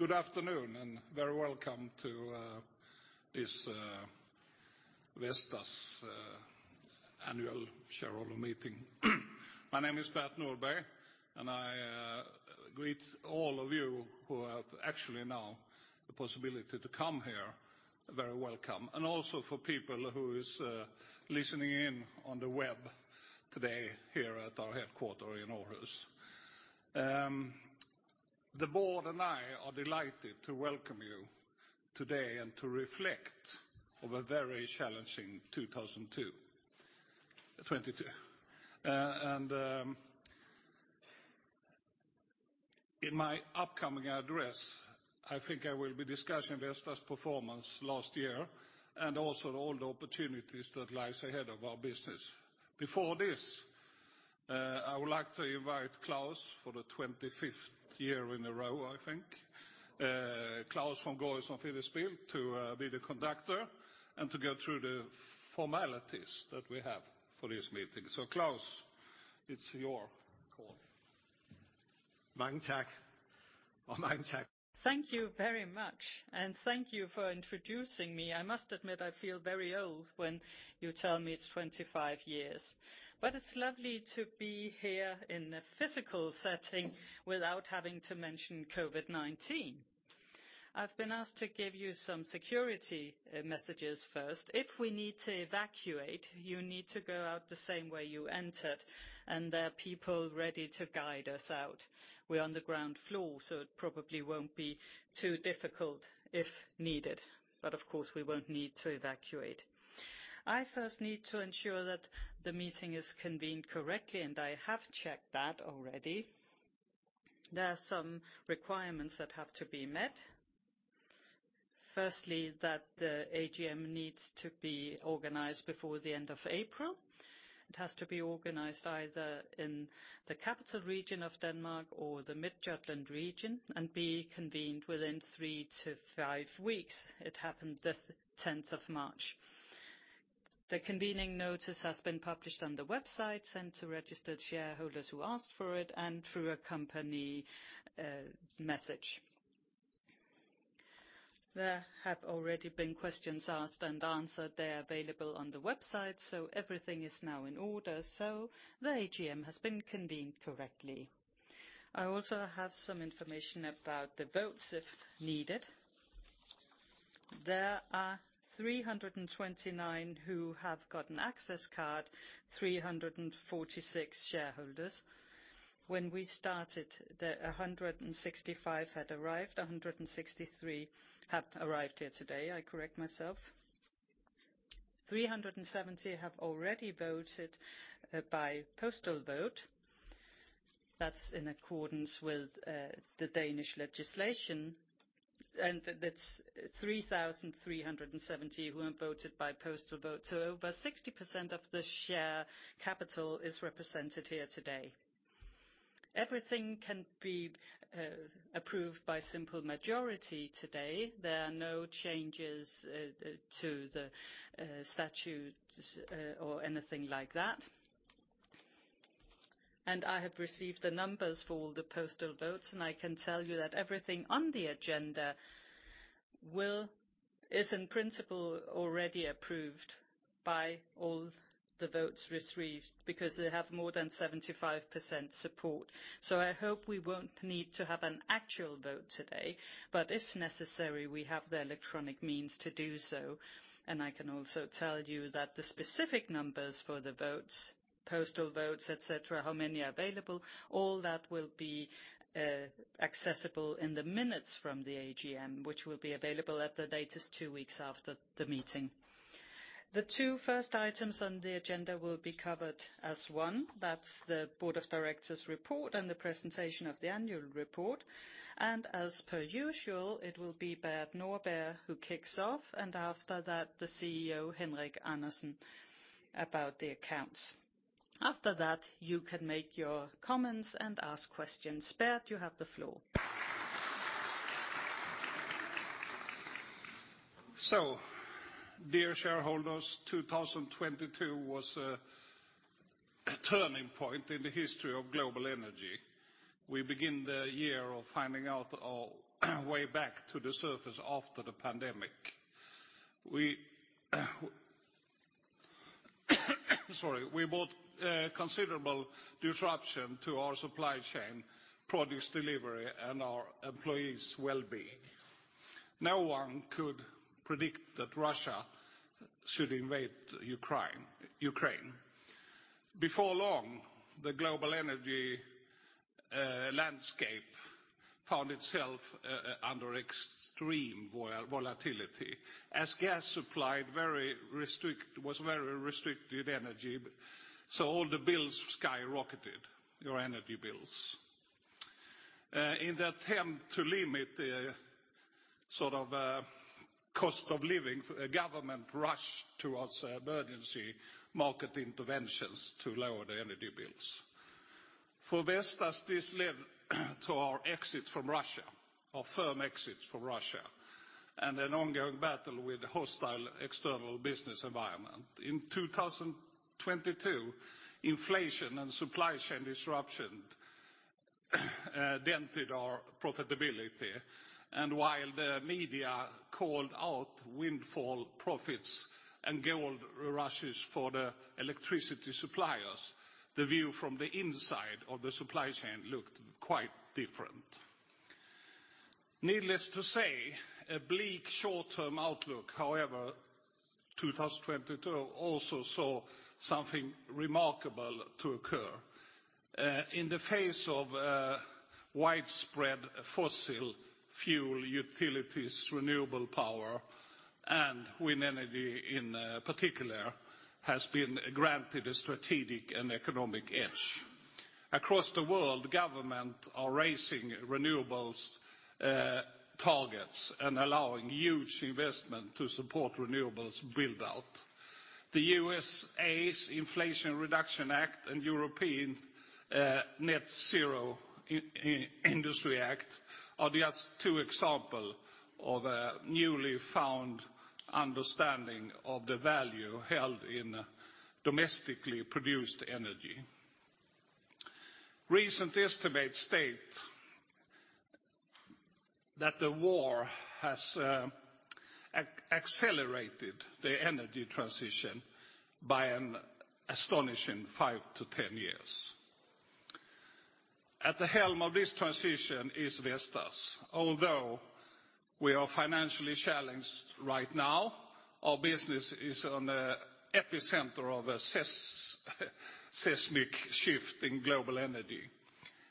Hello. Good afternoon, very welcome to this Vestas annual shareholder meeting. My name is Bert Nordberg, I greet all of you who have actually now the possibility to come here, very welcome. Also for people who is listening in on the web today here at our headquarter in Aarhus. The board and I are delighted to welcome you today and to reflect of a very challenging 2022. In my upcoming address, I think I will be discussing Vestas' performance last year and also all the opportunities that lies ahead of our business. Before this, I would like to invite Klaus for the 25th year in a row, I think. Klaus from Gorrissen Federspiel to be the conductor and to go through the formalities that we have for this meeting. Klaus, it's your call. Thank you very much, and thank you for introducing me. I must admit I feel very old when you tell me it's 25 years. It's lovely to be here in a physical setting without having to mention COVID-19. I've been asked to give you some security messages first. If we need to evacuate, you need to go out the same way you entered, and there are people ready to guide us out. We're on the ground floor, so it probably won't be too difficult if needed. Of course, we won't need to evacuate. I first need to ensure that the meeting is convened correctly, and I have checked that already. There are some requirements that have to be met. Firstly, that the AGM needs to be organized before the end of April. It has to be organized either in the Capital Region of Denmark or the Midtjylland region and be convened within three to five weeks. It happened the 10th of March. The convening notice has been published on the website, sent to registered shareholders who asked for it and through a company message. There have already been questions asked and answered. They're available on the website. Everything is now in order. The AGM has been convened correctly. I also have some information about the votes if needed. There are 329 who have got an access card, 346 shareholders. When we started, the 165 had arrived. 163 have arrived here today, I correct myself. 370 have already voted by postal vote. That's in accordance with the Danish legislation. That's 3,370 who have voted by postal vote. Over 60% of the share capital is represented here today. Everything can be approved by simple majority today. There are no changes to the statutes or anything like that. I have received the numbers for all the postal votes, and I can tell you that everything on the agenda is in principle already approved by all the votes received because they have more than 75% support. I hope we won't need to have an actual vote today, but if necessary, we have the electronic means to do so. I can also tell you that the specific numbers for the votes, postal votes, et cetera, how many are available, all that will be accessible in the minutes from the AGM, which will be available at the latest two weeks after the meeting. The two first items on the agenda will be covered as one. That's the board of directors report and the presentation of the annual report. As per usual, it will be Bert Nordberg who kicks off, and after that, the CEO, Henrik Andersen, about the accounts. After that, you can make your comments and ask questions. Bert, you have the floor. Dear shareholders, 2022 was a turning point in the history of global energy. We begin the year of finding out our way back to the surface after the pandemic. Sorry. We brought considerable disruption to our supply chain, produce delivery, and our employees' well-being. No one could predict that Russia should invade Ukraine. Before long, the global energy landscape found itself under extreme volatility, as gas supply was very restricted energy, so all the bills skyrocketed, your energy bills. In the attempt to limit the sort of cost of living, government rushed towards emergency market interventions to lower the energy bills. For Vestas, this led to our exit from Russia, a firm exit from Russia. An ongoing battle with hostile external business environment. In 2022, inflation and supply chain disruption dented our profitability. While the media called out windfall profits and gold rushes for the electricity suppliers, the view from the inside of the supply chain looked quite different. Needless to say, a bleak short-term outlook, however, 2022 also saw something remarkable to occur. In the face of widespread fossil fuel utilities, renewable power, and wind energy, in particular, has been granted a strategic and economic edge. Across the world, government are raising renewables targets and allowing huge investment to support renewables build out. The USA's Inflation Reduction Act and European Net-Zero Industry Act are just two example of a newly found understanding of the value held in domestically produced energy. Recent estimates state that the war has accelerated the energy transition by an astonishing five to 10 years. At the helm of this transition is Vestas. Although we are financially challenged right now, our business is on the epicenter of a seismic shift in global energy.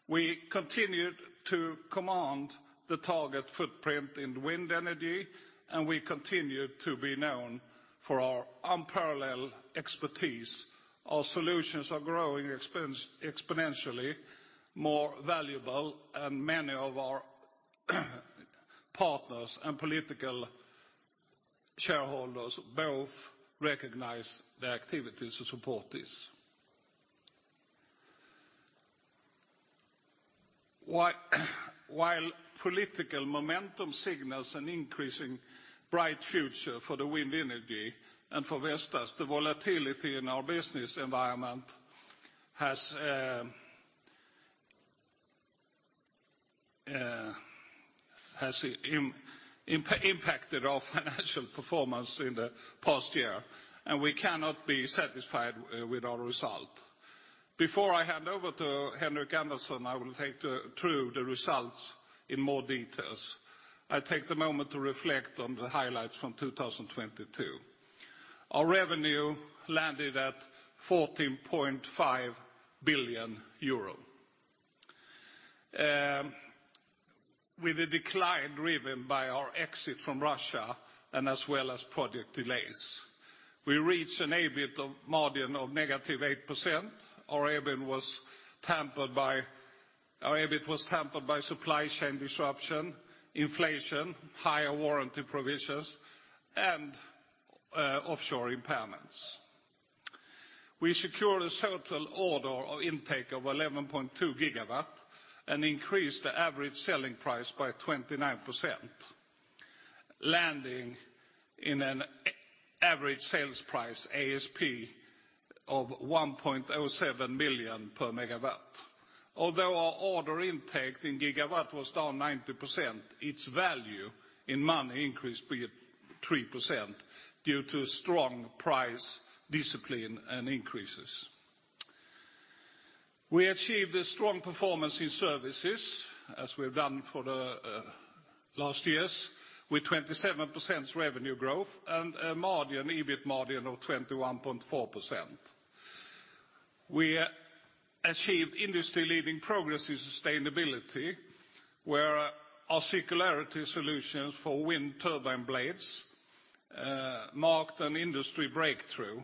We continue to command the target footprint in wind energy, and we continue to be known for our unparalleled expertise. Our solutions are growing exponentially more valuable, and many of our partners and political shareholders both recognize the activities to support this. While political momentum signals an increasing bright future for the wind energy and for Vestas, the volatility in our business environment has impacted our financial performance in the past year, and we cannot be satisfied with our result. Before I hand over to Henrik Andersen, I will take through the results in more details. I take the moment to reflect on the highlights from 2022. Our revenue landed at EUR 14.5 billion. With a decline driven by our exit from Russia and as well as project delays. We reached an EBIT margin of -8%. Our EBIT was tempered by supply chain disruption, inflation, higher warranty provisions, and offshore impairments. We secured a total order of intake of 11.2 gigawatt and increased the average selling price by 29%, landing in an average sales price, ASP, of 1.07 billion per megawatt. Although our order intake in gigawatt was down 90%, its value in money increased by 3% due to strong price discipline and increases. We achieved a strong performance in services, as we have done for the last years, with 27% revenue growth and a margin, EBIT margin of 21.4%. We achieved industry-leading progress in sustainability, where our circularity solutions for wind turbine blades marked an industry breakthrough,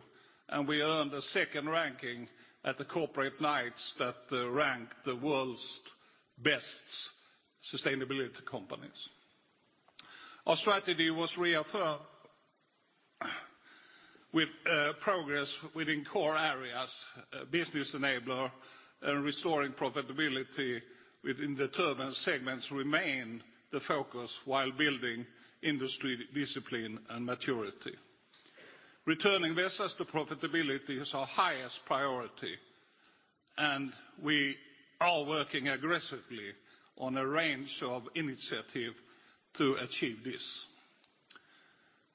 and we earned a second ranking at the Corporate Knights that ranked the world's best sustainability companies. Our strategy was reaffirmed with progress within core areas, business enabler and restoring profitability within the turbine segments remain the focus while building industry discipline and maturity. Returning Vestas to profitability is our highest priority, and we are working aggressively on a range of initiative to achieve this.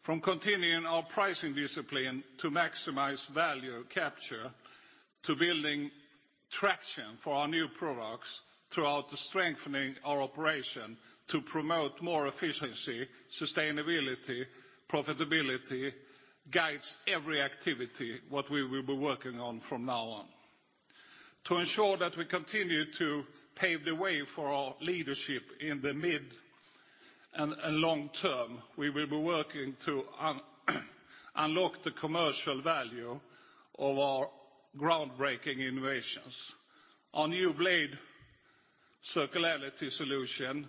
From continuing our pricing discipline to maximize value capture, to building traction for our new products throughout the strengthening our operation to promote more efficiency, sustainability, profitability guides every activity, what we will be working on from now on. To ensure that we continue to pave the way for our leadership in the mid and long term, we will be working to unlock the commercial value of our groundbreaking innovations. Our new blade circularity solution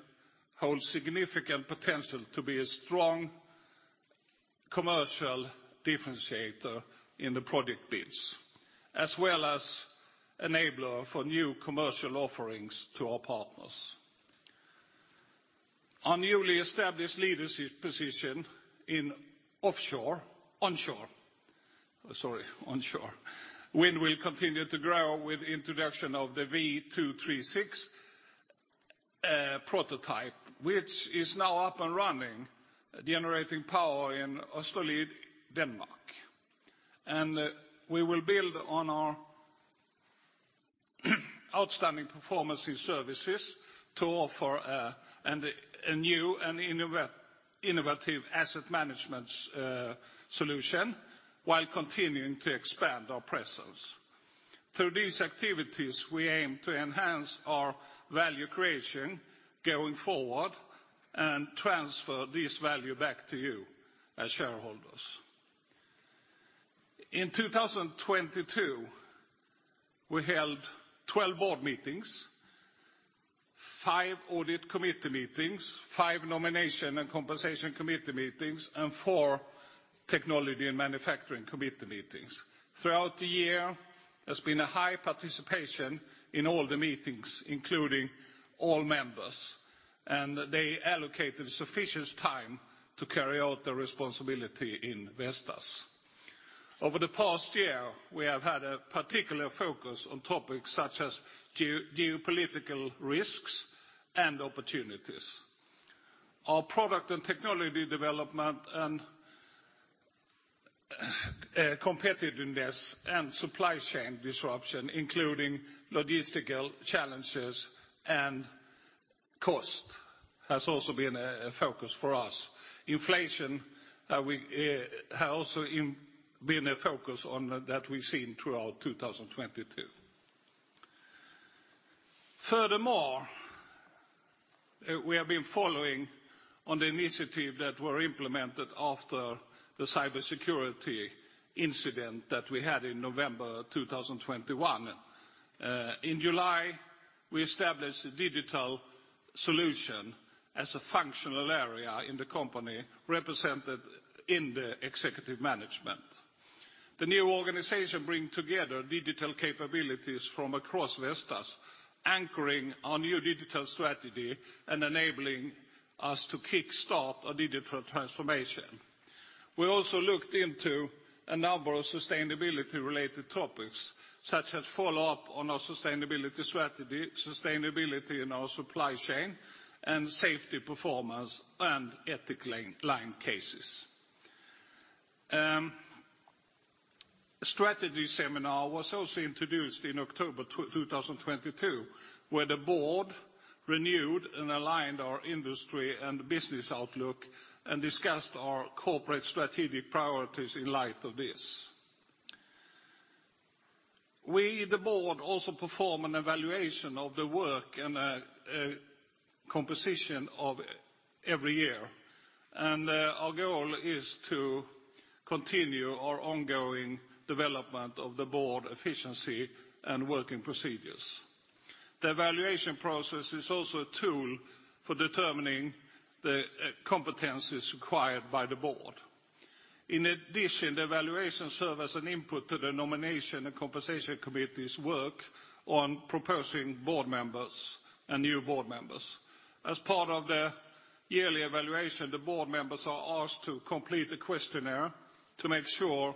holds significant potential to be a strong commercial differentiator in the project bids, as well as enabler for new commercial offerings to our partners. Our newly established leadership position in onshore wind will continue to grow with introduction of the V236 prototype, which is now up and running, generating power in Østerild, Denmark. We will build on our outstanding performance in services to offer a new and innovative asset managements solution while continuing to expand our presence. Through these activities, we aim to enhance our value creation going forward and transfer this value back to you as shareholders. In 2022, we held 12 board meetings, 5 audit committee meetings, 5 nomination and compensation committee meetings, and 4 technology and manufacturing committee meetings. Throughout the year, there's been a high participation in all the meetings, including all members, and they allocated sufficient time to carry out their responsibility in Vestas. Over the past year, we have had a particular focus on topics such as geopolitical risks and opportunities. Our product and technology development and competitiveness and supply chain disruption, including logistical challenges and cost, has also been a focus for us. Inflation, we has also been a focus on that we've seen throughout 2022. Furthermore, we have been following on the initiative that were implemented after the cybersecurity incident that we had in November 2021. In July, we established a digital solution as a functional area in the company represented in the executive management. The new organization bring together digital capabilities from across Vestas, anchoring our new digital strategy and enabling us to kickstart a digital transformation. We also looked into a number of sustainability-related topics, such as follow-up on our sustainability strategy, sustainability in our supply chain, and safety performance and ethical line cases. A strategy seminar was also introduced in October 2022, where the board renewed and aligned our industry and business outlook and discussed our corporate strategic priorities in light of this. We, the board, also perform an evaluation of the work and composition of every year, and our goal is to continue our ongoing development of the board efficiency and working procedures. The evaluation process is also a tool for determining the competencies required by the Board. In addition, the evaluation serve as an input to the Nomination and Compensation Committee's work on proposing board members and new board members. As part of the yearly evaluation, the board members are asked to complete a questionnaire to make sure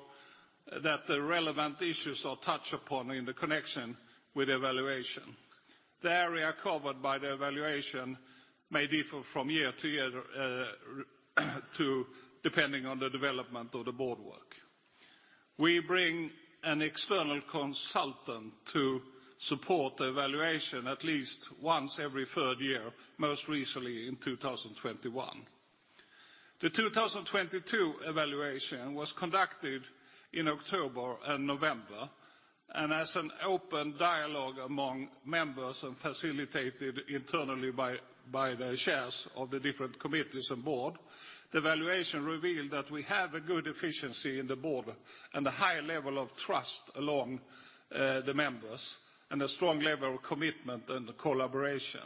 that the relevant issues are touched upon in the connection with the evaluation. The area covered by the evaluation may differ from year to year, depending on the development of the board work. We bring an external consultant to support the evaluation at least once every third year, most recently in 2021. The 2022 evaluation was conducted in October and November, and as an open dialogue among members and facilitated internally by the chairs of the different committees and board, the evaluation revealed that we have a good efficiency in the board and a high level of trust along the members, and a strong level of commitment and collaboration.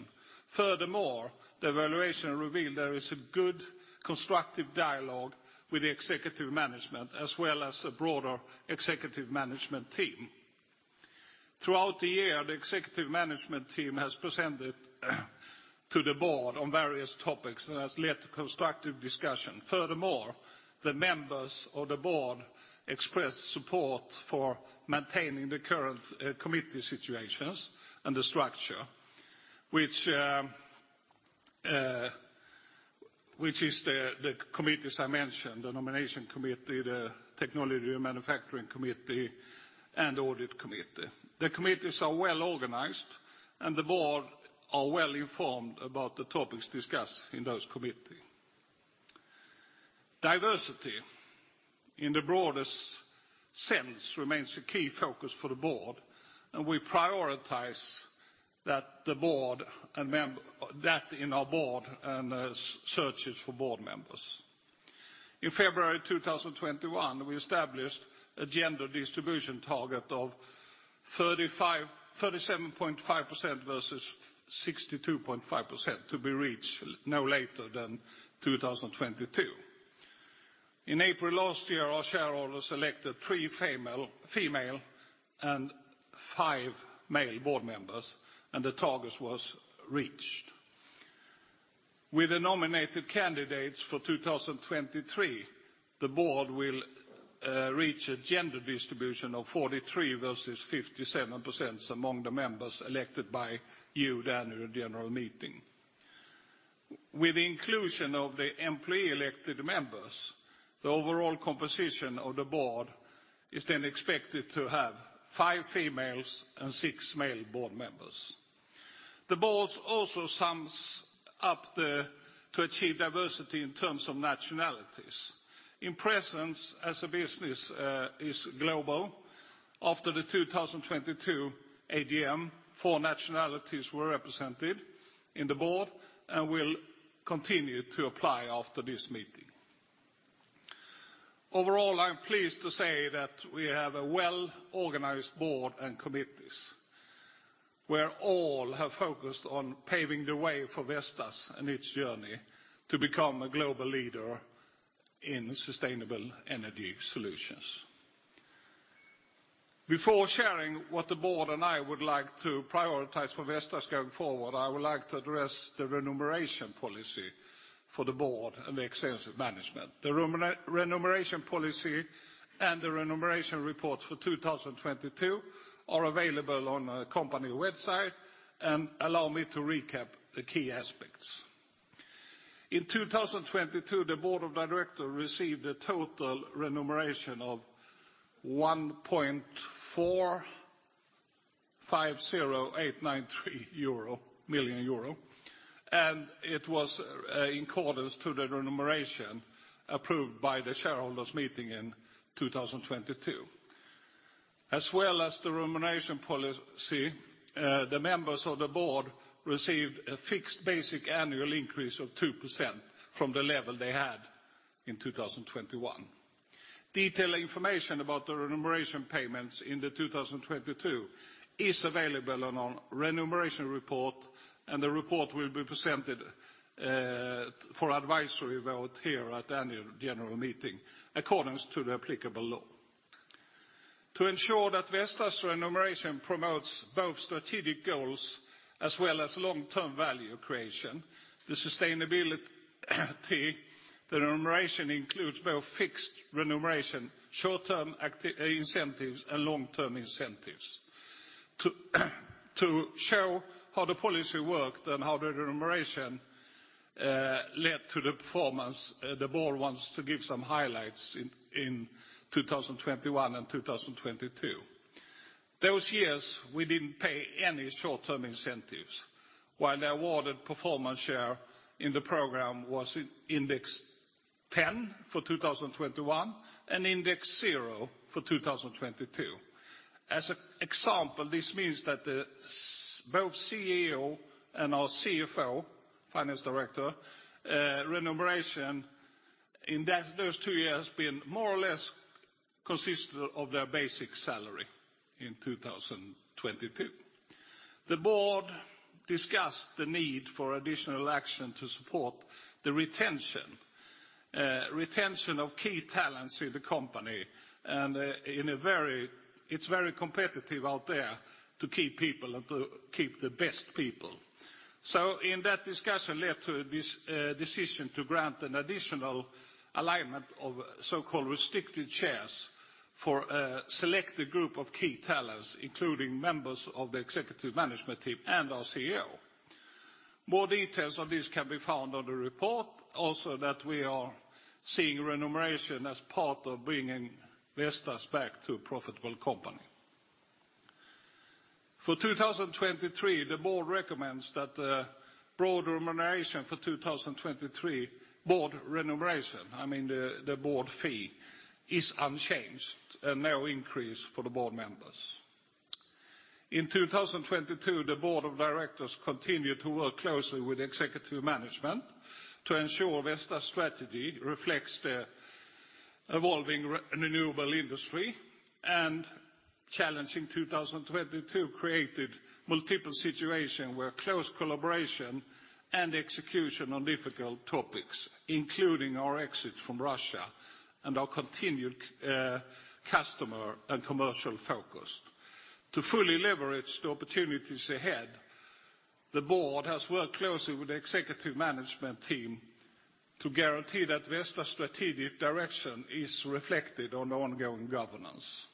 Furthermore, the evaluation revealed there is a good constructive dialogue with the executive management as well as the broader executive management team. Throughout the year, the executive management team has presented to the board on various topics and has led to constructive discussion. Furthermore, the members of the board expressed support for maintaining the current committee situations and the structure, which is the committees I mentioned, the Nomination Committee, the Technology and Manufacturing Committee, and Audit Committee. The committees are well organized, and the board are well informed about the topics discussed in those committee. Diversity in the broadest sense remains a key focus for the board, and we prioritize that the board and that in our board and searches for board members. In February 2021, we established a gender distribution target of 37.5% versus 62.5% to be reached no later than 2022. In April last year, our shareholders elected 3 female and 5 male board members, and the target was reached. With the nominated candidates for 2023, the board will reach a gender distribution of 43 versus 57% among the members elected by you, the Annual General Meeting. With the inclusion of the employee elected members, the overall composition of the board is then expected to have five females and six male board members. The board also sums up to achieve diversity in terms of nationalities. In presence, as a business, is global, after the 2022 AGM, four nationalities were represented in the board and will continue to apply after this meeting. Overall, I'm pleased to say that we have a well-organized board and committees, where all have focused on paving the way for Vestas and its journey to become a global leader in sustainable energy solutions. Before sharing what the board and I would like to prioritize for Vestas going forward, I would like to address the remuneration policy for the board and the extensive management. The remuneration policy and the remuneration report for 2022 are available on our company website. Allow me to recap the key aspects. In 2022, the board of directors received a total remuneration of 1.450893 million euro. It was in accordance to the remuneration approved by the shareholders' meeting in 2022. As well as the remuneration policy, the members of the board received a fixed basic annual increase of 2% from the level they had in 2021. Detailed information about the remuneration payments in 2022 is available on our remuneration report. The report will be presented for advisory vote here at Annual General Meeting accordance to the applicable law. To ensure that Vestas remuneration promotes both strategic goals as well as long-term value creation, the sustainability, the remuneration includes both fixed remuneration, short-term incentives, and long-term incentives. To show how the policy worked and how the remuneration led to the performance, the board wants to give some highlights in 2021 and 2022. Those years, we didn't pay any short-term incentives, while the awarded performance share in the program was index 10 for 2021 and index 0 for 2022. As an example, this means that both CEO and our CFO, finance director, remuneration in those two years been more or less consisted of their basic salary in 2022. The board discussed the need for additional action to support the retention of key talents in the company and, it's very competitive out there to keep people and to keep the best people. In that discussion led to this, decision to grant an additional alignment of so-called restricted shares for a selected group of key talents, including members of the executive management team and our CEO. More details of this can be found on the report. We are seeing remuneration as part of bringing Vestas back to a profitable company. For 2023, the board recommends that the broad remuneration for 2023 board remuneration, I mean the board fee, is unchanged and no increase for the board members. In 2022, the board of directors continued to work closely with executive management to ensure Vestas strategy reflects the evolving renewable industry. Challenging 2022 created multiple situation where close collaboration and execution on difficult topics, including our exit from Russia and our continued customer and commercial focus. To fully leverage the opportunities ahead, the board has worked closely with the executive management team to guarantee that Vestas strategic direction is reflected on ongoing governance.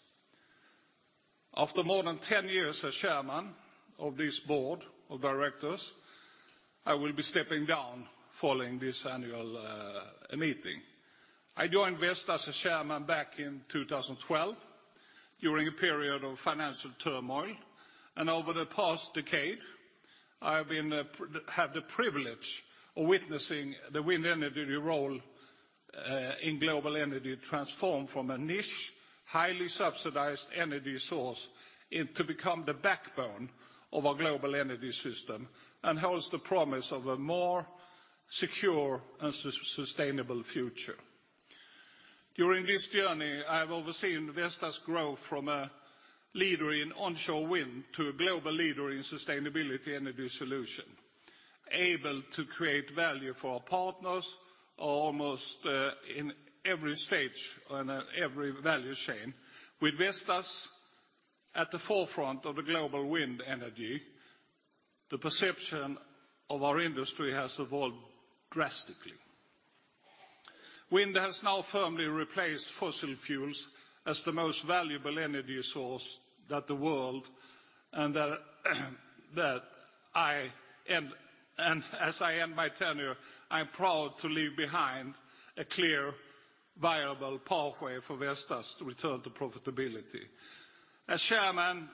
After more than 10 years as chairman of this board of directors, I will be stepping down following this annual meeting. I joined Vestas as chairman back in 2012 during a period of financial turmoil. Over the past decade, I have been, have the privilege of witnessing the wind energy role in global energy transform from a niche, highly subsidized energy source and to become the backbone of our global energy system and holds the promise of a more secure and sustainable future. During this journey, I have overseen Vestas grow from a leader in onshore wind to a global leader in sustainability energy solution, able to create value for our partners almost in every stage on every value chain. With Vestas at the forefront of the global wind energy, the perception of our industry has evolved drastically. Wind has now firmly replaced fossil fuels as the most valuable energy source that the world and that as I end my tenure, I'm proud to leave behind a clear viable pathway for Vestas to return to profitability. As chairman,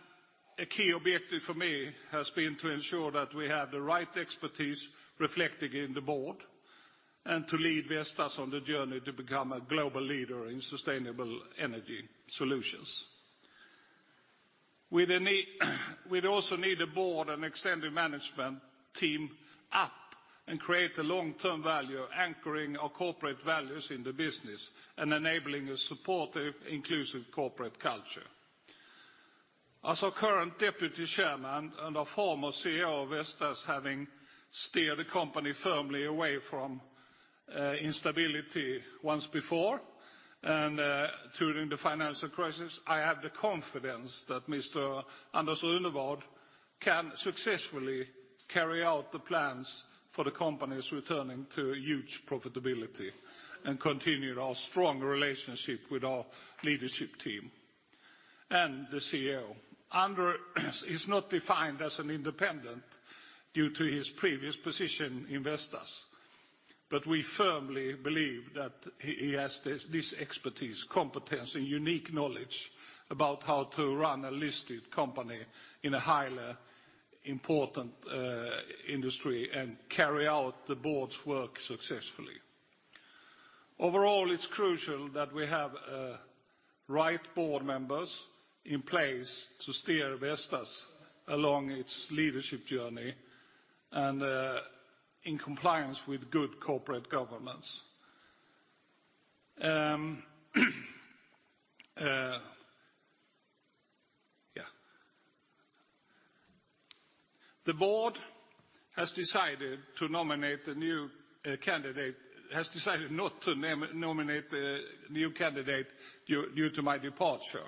a key objective for me has been to ensure that we have the right expertise reflected in the board and to lead Vestas on the journey to become a global leader in sustainable energy solutions. We'd also need the board and extended management team up and create a long-term value anchoring our corporate values in the business and enabling a supportive, inclusive corporate culture. As our current deputy chairman and a former CEO of Vestas, having steered the company firmly away from instability once before and during the financial crisis, I have the confidence that Mr. Anders Runevad can successfully carry out the plans for the company's returning to huge profitability and continue our strong relationship with our leadership team and the CEO. Anders is not defined as an independent due to his previous position in Vestas, but we firmly believe that he has this expertise, competence, and unique knowledge about how to run a listed company in a highly important industry and carry out the board's work successfully. Overall, it's crucial that we have right board members in place to steer Vestas along its leadership journey and in compliance with good corporate governance. Yeah. The board has decided not to nominate a new candidate due to my departure.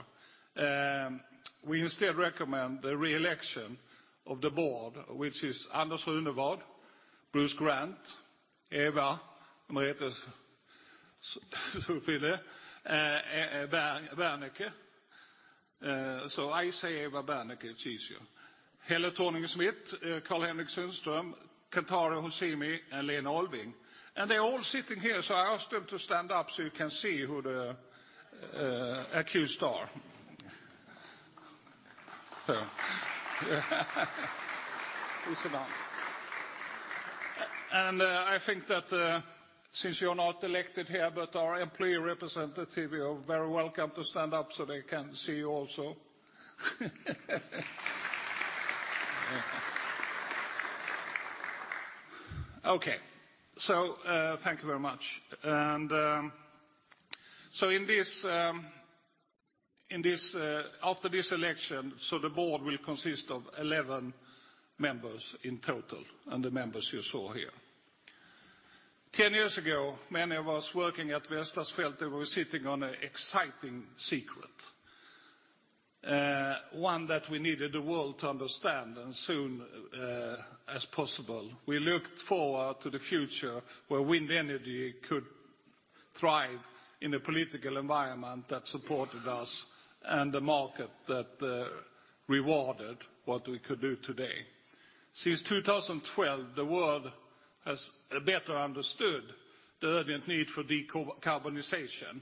We instead recommend the re-election of the board, which is Anders Runevad, Bruce Grant, Eva Berneke, so I say Eva Berneke, it's easier. Helle Thorning-Schmidt, Carl-Henric Svanberg, Kentaro Hosomi, and Lena Olving. They're all sitting here, so I ask them to stand up so you can see who the accused are. Please sit down. I think that, since you're not elected here, but our employee representative, you're very welcome to stand up so they can see you also. Okay. Thank you very much. In this after this election, the board will consist of 11 members in total, and the members you saw here. 10 years ago, many of us working at Vestas felt we were sitting on an exciting secret, one that we needed the world to understand and soon as possible. We looked forward to the future where wind energy could thrive in a political environment that supported us and the market that rewarded what we could do today. Since 2012, the world has better understood the urgent need for decarbonization,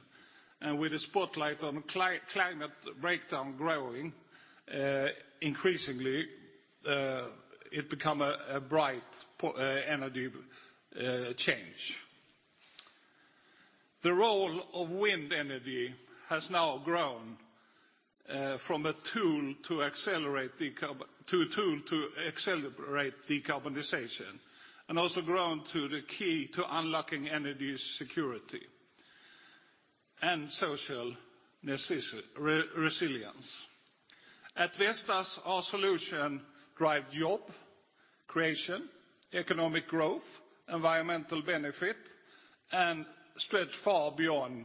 with the spotlight on climate breakdown growing, increasingly, it become a bright energy change. The role of wind energy has now grown, from a tool to accelerate decarbonization, also grown to the key to unlocking energy security and social resilience. At Vestas, our solution drive job creation, economic growth, environmental benefit, stretch far beyond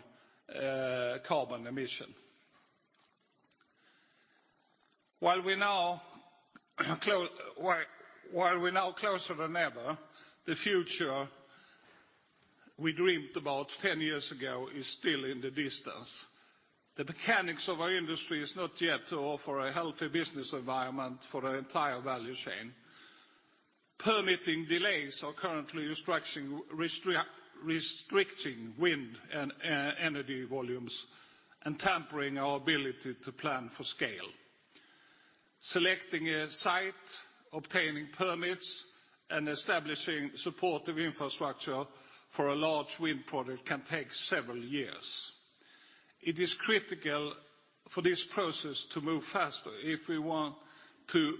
carbon emission. While we're now closer than ever, the future we dreamed about 10 years ago is still in the distance. The mechanics of our industry is not yet to offer a healthy business environment for our entire value chain. Permitting delays are currently restricting wind and energy volumes and tampering our ability to plan for scale. Selecting a site, obtaining permits, and establishing supportive infrastructure for a large wind project can take several years. It is critical for this process to move faster if we want to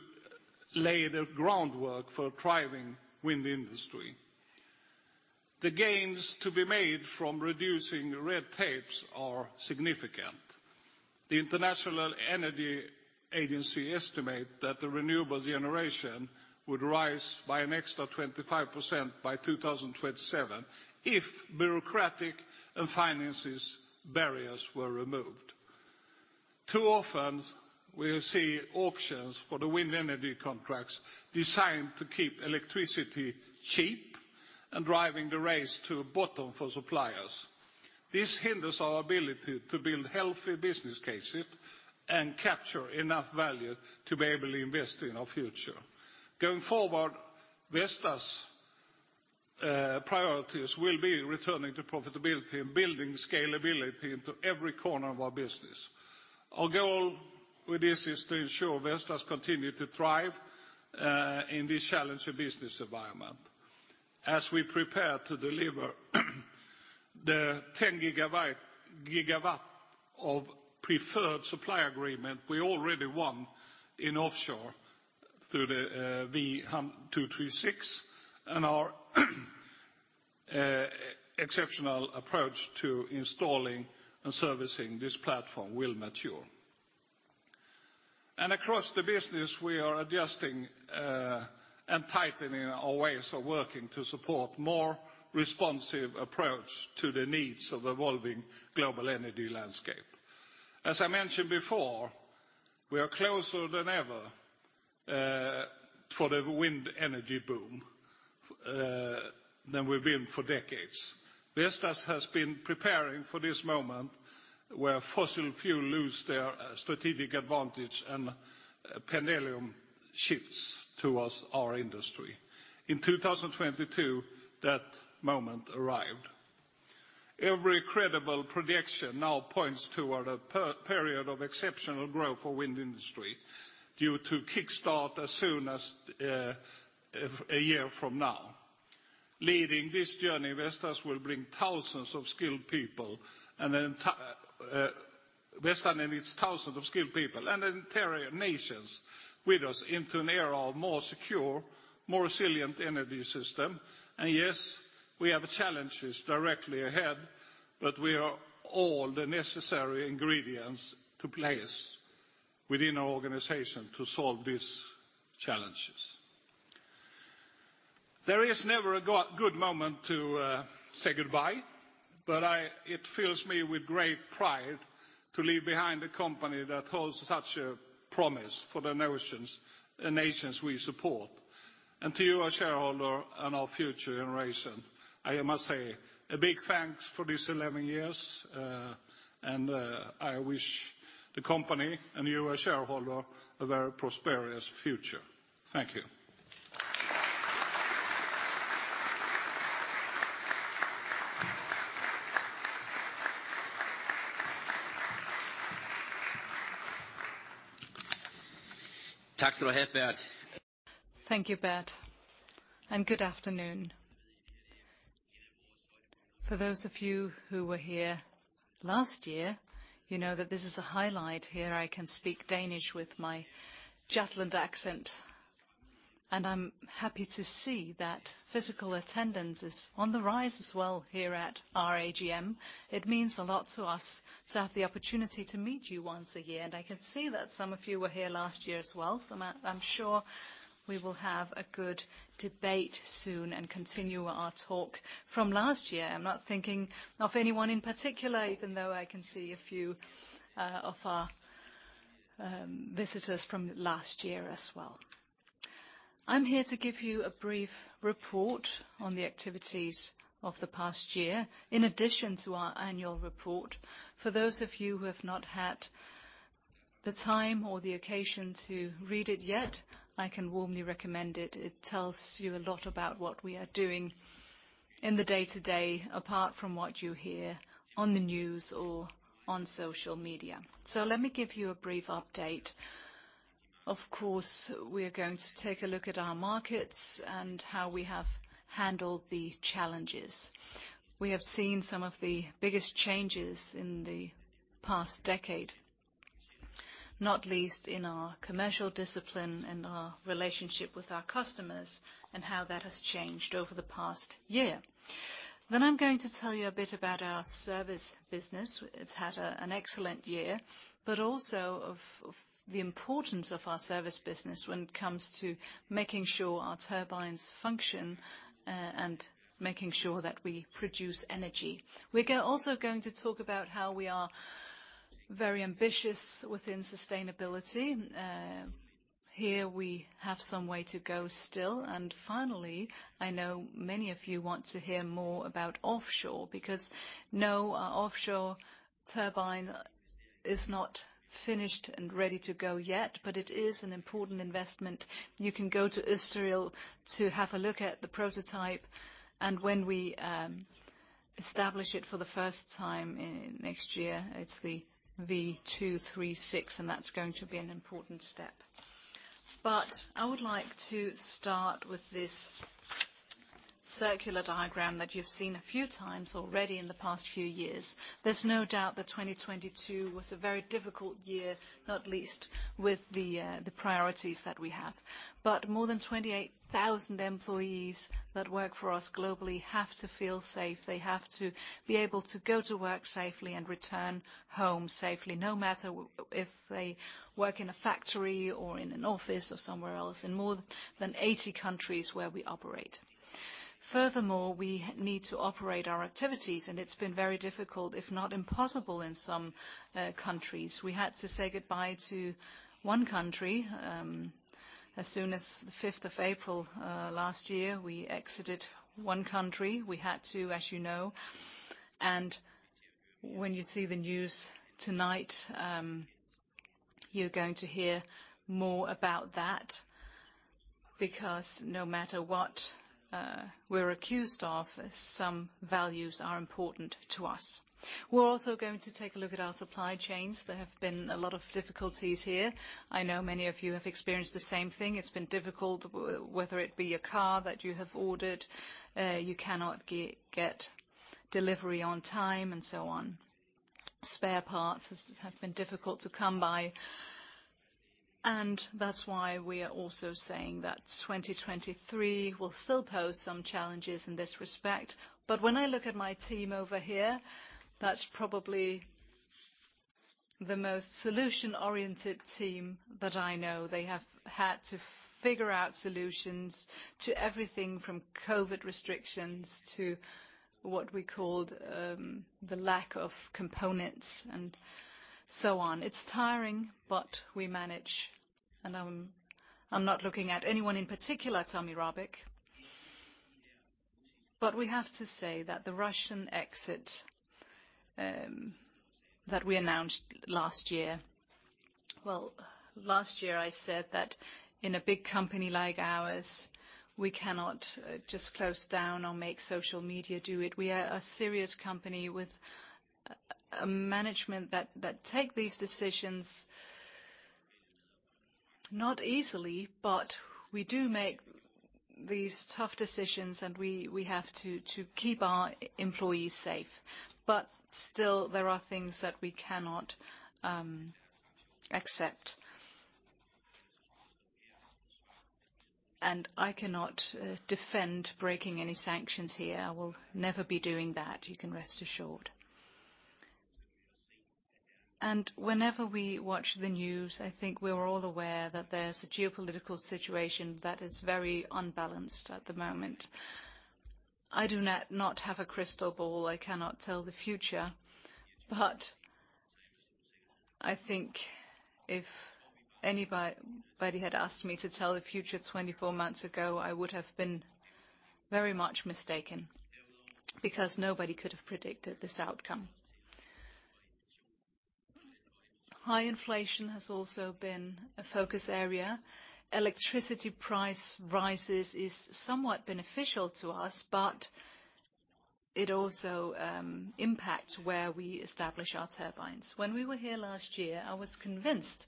lay the groundwork for thriving wind industry. The gains to be made from reducing red tapes are significant. The International Energy Agency estimate that the renewable generation would rise by an extra 25% by 2027 if bureaucratic and finances barriers were removed. Too often we see auctions for the wind energy contracts designed to keep electricity cheap and driving the race to the bottom for suppliers. This hinders our ability to build healthy business cases and capture enough value to be able to invest in our future. Going forward, Vestas priorities will be returning to profitability and building scalability into every corner of our business. Our goal with this is to ensure Vestas continue to thrive in this challenging business environment. As we prepare to deliver the 10 gigawatt of preferred supply agreement we already won in offshore through the V236, and our exceptional approach to installing and servicing this platform will mature. Across the business, we are adjusting and tightening our ways of working to support more responsive approach to the needs of evolving global energy landscape. As I mentioned before, we are closer than ever for the wind energy boom than we've been for decades. Vestas has been preparing for this moment where fossil fuel lose their strategic advantage and pendulum shifts towards our industry. In 2022, that moment arrived. Every credible prediction now points toward a per-period of exceptional growth for wind industry due to kickstart as soon as one year from now. Leading this journey, Vestas and its thousands of skilled people and entire nations with us into an era of more secure, more resilient energy system. Yes, we have challenges directly ahead, but we are all the necessary ingredients to place within our organization to solve these challenges. There is never a good moment to say goodbye, but it fills me with great pride to leave behind a company that holds such a promise for the nations we support. To you, our shareholder and our future generation, I must say a big thanks for these 11 years, and I wish the company and you, our shareholder, a very prosperous future. Thank you. Thank you, Bert. Good afternoon. For those of you who were here last year, you know that this is a highlight. Here I can speak Danish with my Jutland accent. I'm happy to see that physical attendance is on the rise as well here at our AGM. It means a lot to us to have the opportunity to meet you once a year. I can see that some of you were here last year as well. I'm sure we will have a good debate soon and continue our talk from last year. I'm not thinking of anyone in particular, even though I can see a few of our visitors from last year as well. I'm here to give you a brief report on the activities of the past year in addition to our annual report. For those of you who have not had the time or the occasion to read it yet, I can warmly recommend it. It tells you a lot about what we are doing in the day-to-day, apart from what you hear on the news or on social media. Let me give you a brief update. Of course, we're going to take a look at our markets and how we have handled the challenges. We have seen some of the biggest changes in the past decade, not least in our commercial discipline and our relationship with our customers and how that has changed over the past year. I'm going to tell you a bit about our service business. It's had an excellent year, also of the importance of our service business when it comes to making sure our turbines function and making sure that we produce energy. We're also going to talk about how we are very ambitious within sustainability. Here we have some way to go still. Finally, I know many of you want to hear more about offshore because, no, our offshore turbine is not finished and ready to go yet, but it is an important investment. You can go to Østerild to have a look at the prototype, when we establish it for the first time next year, it's the V236, that's going to be an important step. I would like to start with this circular diagram that you've seen a few times already in the past few years. There's no doubt that 2022 was a very difficult year, not least with the priorities that we have. More than 28,000 employees that work for us globally have to feel safe. They have to be able to go to work safely and return home safely, no matter if they work in a factory or in an office or somewhere else in more than 80 countries where we operate. We need to operate our activities, and it's been very difficult, if not impossible, in some countries. We had to say goodbye to one country, as soon as the fifth of April last year. We exited one country. We had to, as you know, and when you see the news tonight, you're going to hear more about that because no matter what we're accused of, some values are important to us. We're also going to take a look at our supply chains. There have been a lot of difficulties here. I know many of you have experienced the same thing. It's been difficult, whether it be a car that you have ordered, you cannot get delivery on time and so on. Spare parts have been difficult to come by, and that's why we are also saying that 2023 will still pose some challenges in this respect. When I look at my team over here, that's probably the most solution-oriented team that I know. They have had to figure out solutions to everything from COVID restrictions to what we called, the lack of components and so on. It's tiring, but we manage, and I'm not looking at anyone in particular, Tommy Rabik. We have to say that the Russian exit that we announced last year, I said that in a big company like ours, we cannot just close down or make social media do it. We are a serious company with a management that take these decisions not easily, but we do make these tough decisions, and we have to keep our employees safe. Still, there are things that we cannot accept. I cannot defend breaking any sanctions here. I will never be doing that, you can rest assured. Whenever we watch the news, I think we're all aware that there's a geopolitical situation that is very unbalanced at the moment. I do not have a crystal ball. I cannot tell the future. I think if anybody had asked me to tell the future 24 months ago, I would have been very much mistaken because nobody could have predicted this outcome. High inflation has also been a focus area. Electricity price rises is somewhat beneficial to us, but it also impacts where we establish our turbines. When we were here last year, I was convinced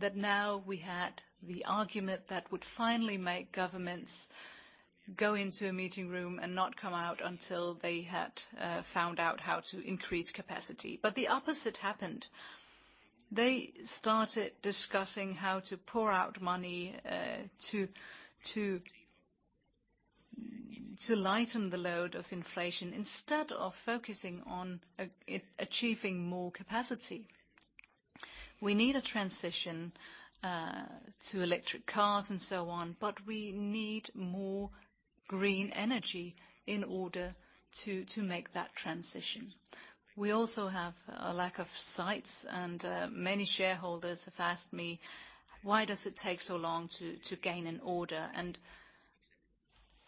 that now we had the argument that would finally make governments go into a meeting room and not come out until they had found out how to increase capacity. The opposite happened. They started discussing how to pour out money to lighten the load of inflation instead of focusing on achieving more capacity. We need a transition to electric cars and so on, but we need more green energy in order to make that transition. We also have a lack of sites, and many shareholders have asked me, "Why does it take so long to gain an order?"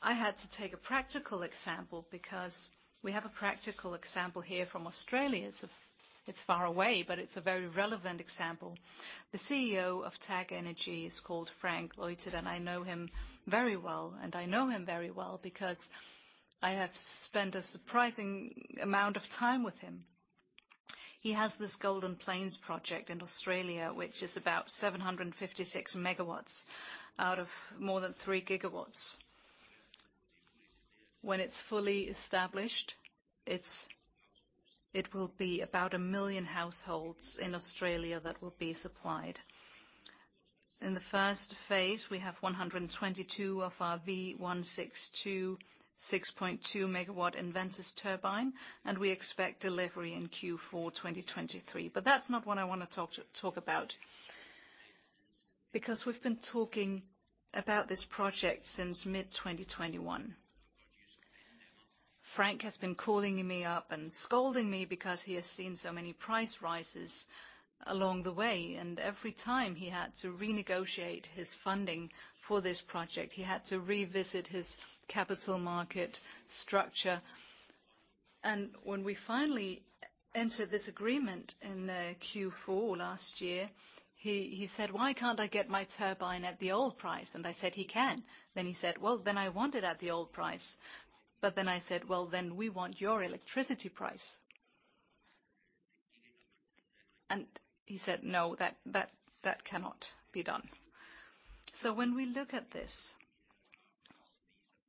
I had to take a practical example because we have a practical example here from Australia. It's far away, but it's a very relevant example. The CEO of TagEnergy is called Frank Leuterd, and I know him very well. I know him very well because I have spent a surprising amount of time with him. He has this Golden Plains project in Australia, which is about 756 megawatts out of more than 3 gigawatts. When it's fully established, it will be about 1 million households in Australia that will be supplied. In the first phase, we have 122 of our V162-6.2 MW EnVentus turbine, and we expect delivery in Q4 2023. That's not what I wanna talk about because we've been talking about this project since mid-2021. Frank has been calling me up and scolding me because he has seen so many price rises along the way, and every time he had to renegotiate his funding for this project, he had to revisit his capital market structure. When we finally entered this agreement in Q4 last year, he said, "Why can't I get my turbine at the old price?" I said he can. He said, "Well, then I want it at the old price." I said, "Well, then we want your electricity price." He said, "No, that cannot be done." When we look at this,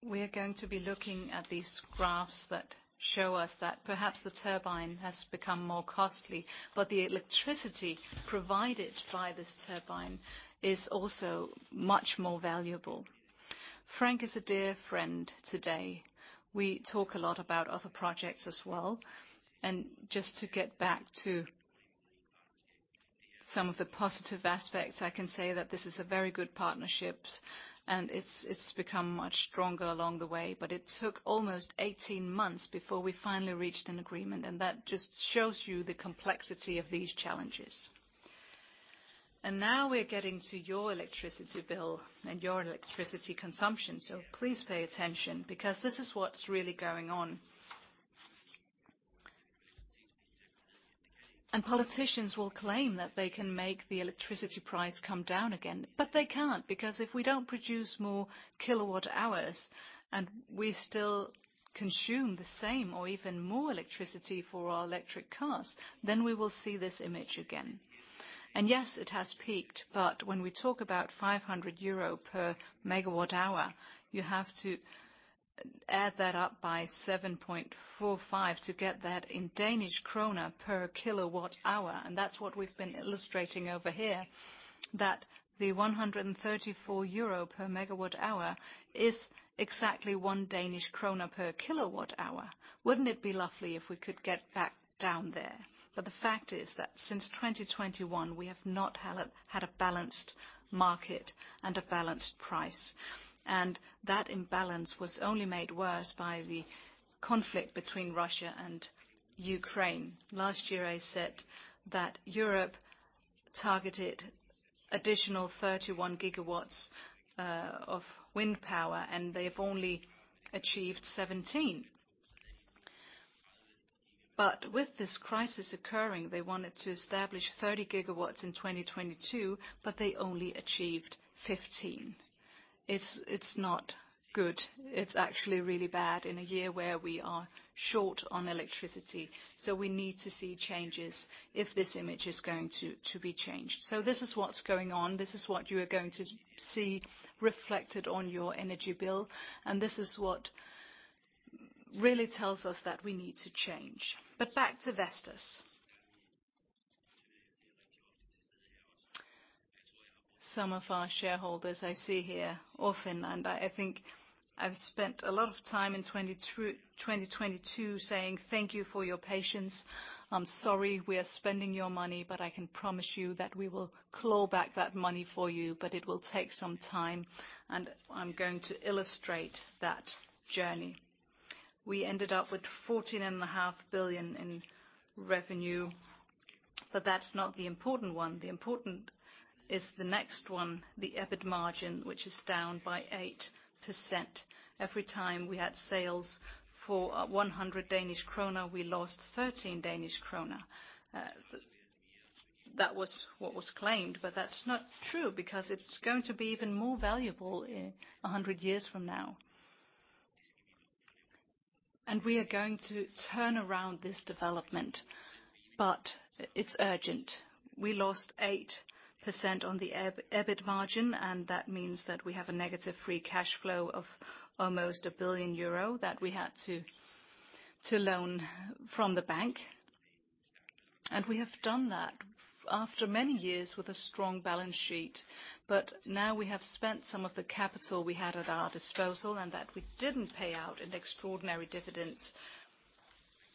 we are going to be looking at these graphs that show us that perhaps the turbine has become more costly, but the electricity provided by this turbine is also much more valuable. Franck is a dear friend today. We talk a lot about other projects as well. Just to get back to some of the positive aspects, I can say that this is a very good partnerships, and it's become much stronger along the way. It took almost 18 months before we finally reached an agreement, and that just shows you the complexity of these challenges. Now we're getting to your electricity bill and your electricity consumption. Please pay attention because this is what's really going on. Politicians will claim that they can make the electricity price come down again, but they can't. If we don't produce more kilowatt hours, and we still consume the same or even more electricity for our electric cars, then we will see this image again. Yes, it has peaked, but when we talk about 500 euro per megawatt hour, you have to add that up by 7.45 to get that in DKK per kilowatt hour. That's what we've been illustrating over here, that the 134 euro per MWh is exactly 1 Danish kroner per kWh. Wouldn't it be lovely if we could get back down there? The fact is that since 2021, we have not had a balanced market and a balanced price. That imbalance was only made worse by the conflict between Russia and Ukraine. Last year, I said that Europe targeted additional 31 GW of wind power, and they've only achieved 17. With this crisis occurring, they wanted to establish 30 GW in 2022, but they only achieved 15. It's not good. It's actually really bad in a year where we are short on electricity. We need to see changes if this image is going to be changed. This is what's going on. This is what you are going to see reflected on your energy bill. This is what really tells us that we need to change. Back to Vestas. Some of our shareholders I see here often. I think I've spent a lot of time in 2022 saying, "Thank you for your patience. I'm sorry we are spending your money, but I can promise you that we will claw back that money for you, but it will take some time." I'm going to illustrate that journey. We ended up with fourteen and a half billion Danish krone in revenue, but that's not the important one. The important is the next one, the EBIT margin, which is down by 8%. Every time we had sales for 100 Danish kroner, we lost 13 Danish kroner. That was what was claimed, but that's not true because it's going to be even more valuable 100 years from now. We are going to turn around this development, but it's urgent. We lost 8% on the EBIT margin, and that means that we have a negative free cash flow of almost 1 billion euro that we had to loan from the bank. We have done that after many years with a strong balance sheet. Now we have spent some of the capital we had at our disposal and that we didn't pay out in extraordinary dividends,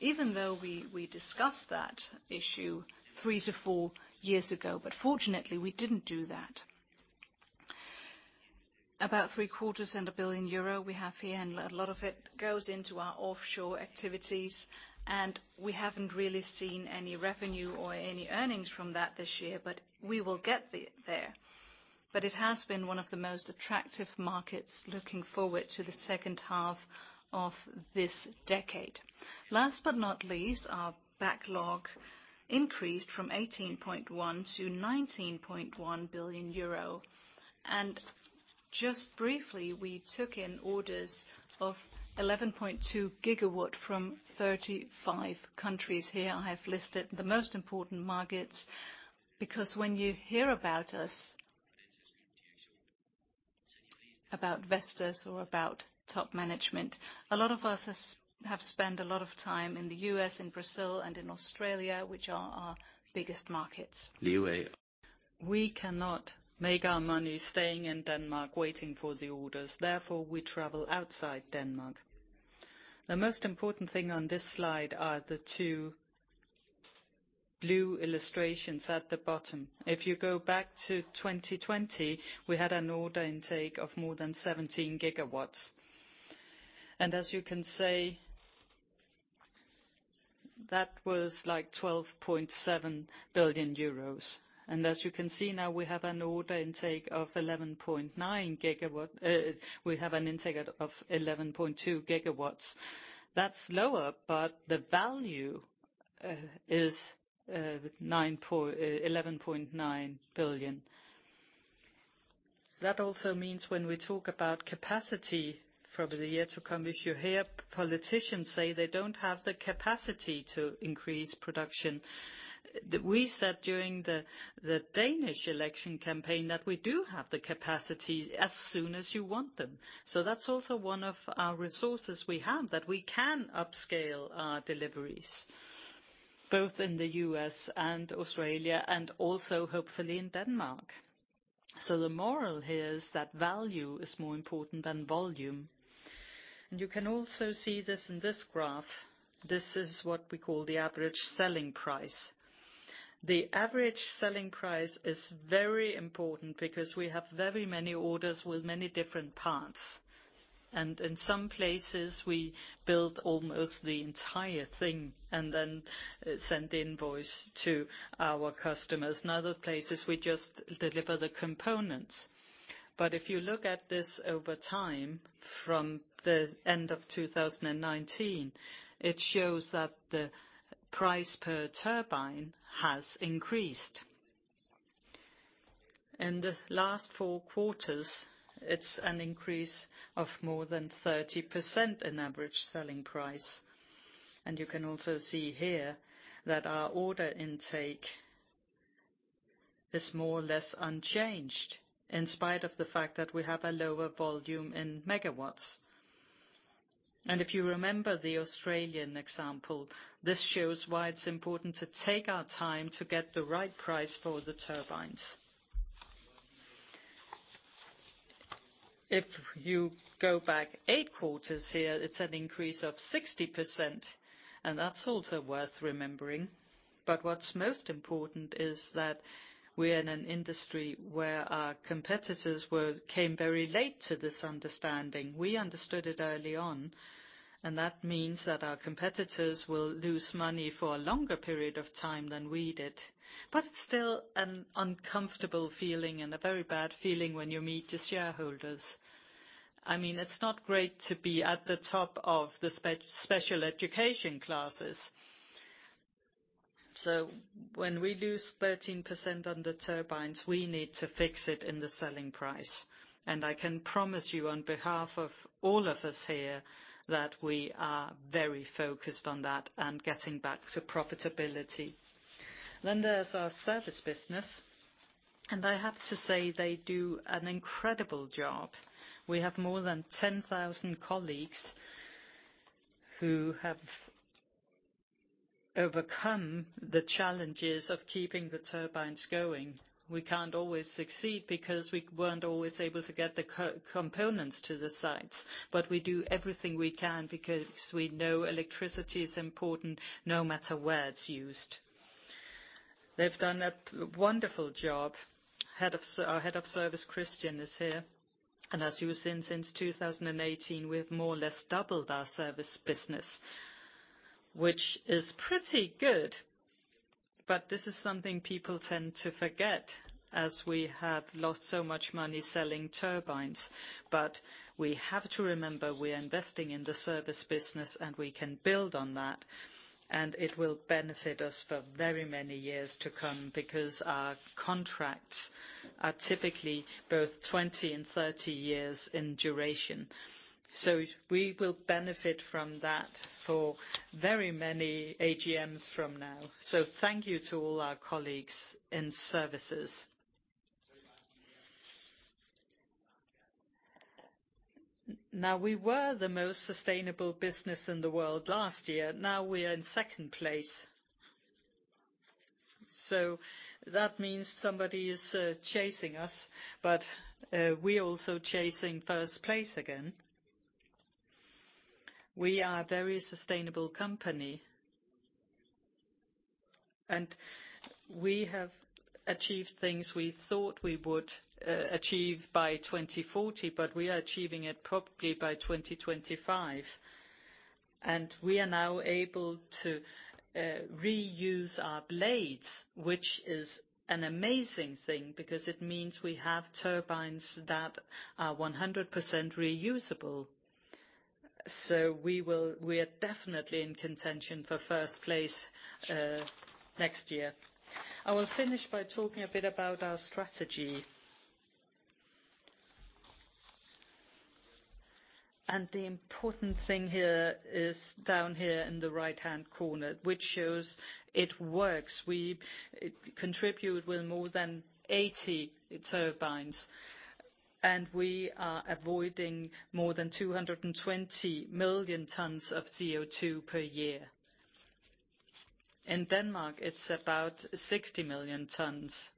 even though we discussed that issue 3-4 years ago. Fortunately, we didn't do that. About three-quarters and a billion EUR we have here. A lot of it goes into our offshore activities. We haven't really seen any revenue or any earnings from that this year, but we will get there. It has been one of the most attractive markets looking forward to the second half of this decade. Last but not least, our backlog increased from 18.1 to 19.1 billion euro. Just briefly, we took in orders of 11.2 GW from 35 countries. Here, I have listed the most important markets because when you hear about us, about Vestas or about top management, a lot of us have spent a lot of time in the US, in Brazil, and in Australia, which are our biggest markets. We cannot make our money staying in Denmark waiting for the orders. Therefore, we travel outside Denmark. The most important thing on this slide are the two blue illustrations at the bottom. If you go back to 2020, we had an order intake of more than 17 gigawatts. As you can see, that was like 12.7 billion euros. As you can see now, we have an order intake of 11.9 gigawatt. We have an intake at, of 11.2 gigawatts. That's lower, but the value is 11.9 billion. That also means when we talk about capacity for the year to come, if you hear politicians say they don't have the capacity to increase production, we said during the Danish election campaign that we do have the capacity as soon as you want them. That's also one of our resources we have, that we can upscale our deliveries, both in the U.S. and Australia, and also hopefully in Denmark. The moral here is that value is more important than volume. You can also see this in this graph. This is what we call the average selling price. The average selling price is very important because we have very many orders with many different parts. In some places, we build almost the entire thing and then send the invoice to our customers. In other places, we just deliver the components. If you look at this over time, from the end of 2019, it shows that the price per turbine has increased. In the last 4 quarters, it's an increase of more than 30% in average selling price. You can also see here that our order intake is more or less unchanged, in spite of the fact that we have a lower volume in megawatts. If you remember the Australian example, this shows why it's important to take our time to get the right price for the turbines. If you go back 8 quarters here, it's an increase of 60%, and that's also worth remembering. What's most important is that we're in an industry where our competitors came very late to this understanding. We understood it early on. That means that our competitors will lose money for a longer period of time than we did. It's still an uncomfortable feeling and a very bad feeling when you meet your shareholders. I mean, it's not great to be at the top of the special education classes. When we lose 13% on the turbines, we need to fix it in the selling price. I can promise you on behalf of all of us here that we are very focused on that and getting back to profitability. There's our service business, and I have to say they do an incredible job. We have more than 10,000 colleagues who have overcome the challenges of keeping the turbines going. We can't always succeed because we weren't always able to get the co-components to the sites, but we do everything we can because we know electricity is important, no matter where it's used. They've done a wonderful job. Our head of service, Christian, is here. As you have seen, since 2018, we have more or less doubled our service business, which is pretty good. This is something people tend to forget as we have lost so much money selling turbines. We have to remember, we are investing in the service business, and we can build on that, and it will benefit us for very many years to come because our contracts are typically both 20 and 30 years in duration. We will benefit from that for very many AGMs from now. Thank you to all our colleagues in services. We were the most sustainable business in the world last year. We are in second place. That means somebody is chasing us, but we're also chasing first place again. We are a very sustainable company. We have achieved things we thought we would achieve by 2040, but we are achieving it probably by 2025. We are now able to reuse our blades, which is an amazing thing because it means we have turbines that are 100% reusable. We are definitely in contention for first place next year. I will finish by talking a bit about our strategy. The important thing here is down here in the right-hand corner, which shows it works. We contribute with more than 80 turbines, and we are avoiding more than 220 million tons of CO2 per year. In Denmark, it's about 60 million tons.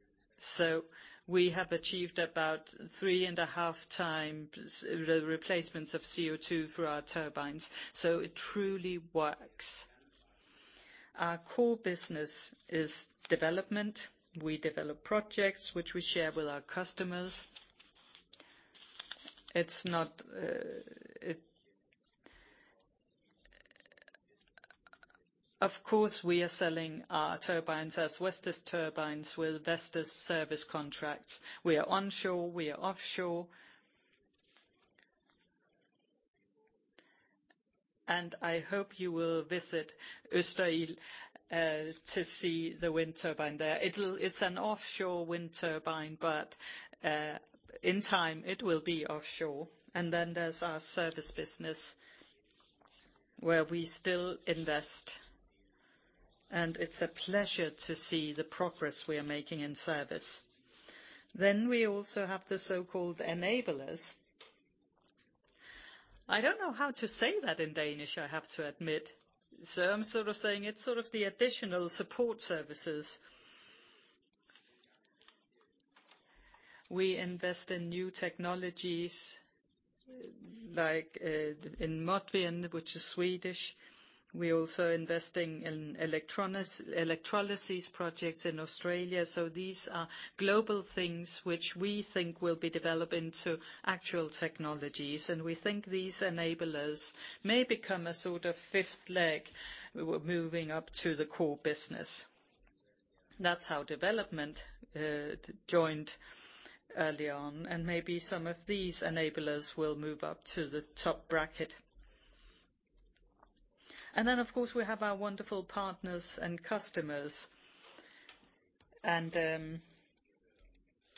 We have achieved about 3.5 times the replacements of CO2 through our turbines. It truly works. Our core business is development. We develop projects which we share with our customers. It's not. Of course, we are selling our turbines as Vestas turbines with Vestas service contracts. We are onshore, we are offshore. I hope you will visit Østerild to see the wind turbine there. It's an offshore wind turbine, but in time it will be offshore. There's our service business where we still invest, and it's a pleasure to see the progress we are making in service. We also have the so-called enablers. I don't know how to say that in Danish, I have to admit. I'm sort of saying it's sort of the additional support services. We invest in new technologies like in Modvion, which is Swedish. We're also investing in electrolysis projects in Australia. These are global things which we think will be developed into actual technologies, and we think these enablers may become a sort of fifth leg. We're moving up to the core business. That's how development joined early on, and maybe some of these enablers will move up to the top bracket. Of course, we have our wonderful partners and customers.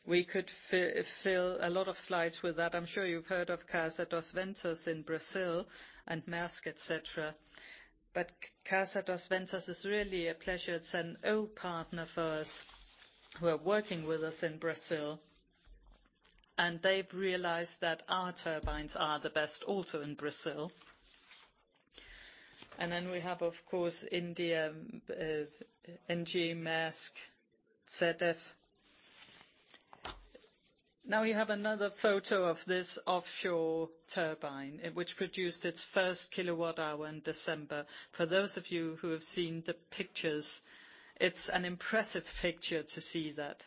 We could fill a lot of slides with that. I'm sure you've heard of Casa dos Ventos in Brazil and Maersk, et cetera. Casa dos Ventos is really a pleasure. It's an old partner for us, who are working with us in Brazil, and they've realized that our turbines are the best also in Brazil. We have, of course, India, NG, Maersk, ZF. Now we have another photo of this offshore turbine, which produced its first kilowatt hour in December. For those of you who have seen the pictures, it's an impressive picture to see that.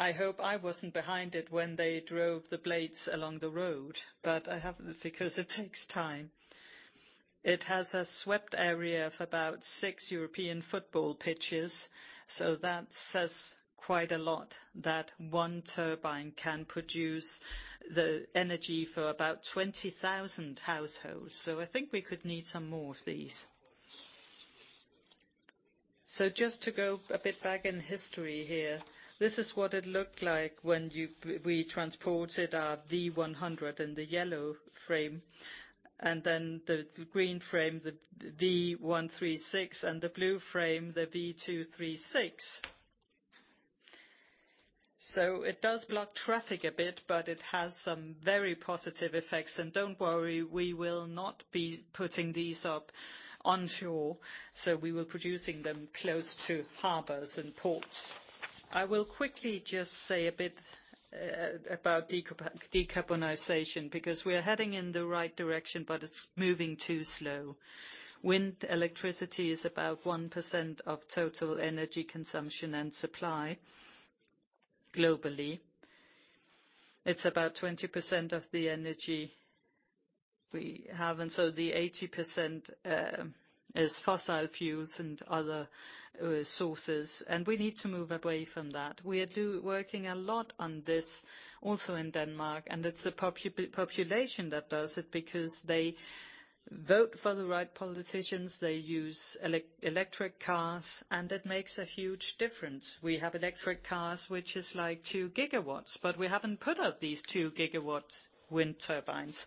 I hope I wasn't behind it when they drove the blades along the road because it takes time. It has a swept area of about six European football pitches, that says quite a lot that one turbine can produce the energy for about 20,000 households. I think we could need some more of these. Just to go a bit back in history here, this is what it looked like when we transported our V100 in the yellow frame, and then the green frame, the V136, and the blue frame, the V236. It does block traffic a bit, but it has some very positive effects. Don't worry, we will not be putting these up onshore. We were producing them close to harbors and ports. I will quickly just say a bit about decarbonization, because we are heading in the right direction, but it's moving too slow. Wind electricity is about 1% of total energy consumption and supply globally. It's about 20% of the energy we have, and so the 80% is fossil fuels and other sources, and we need to move away from that. We are working a lot on this also in Denmark. It's the population that does it because they vote for the right politicians, they use electric cars, and it makes a huge difference. We have electric cars, which is like 2 gigawatts, but we haven't put up these 2 gigawatts wind turbines.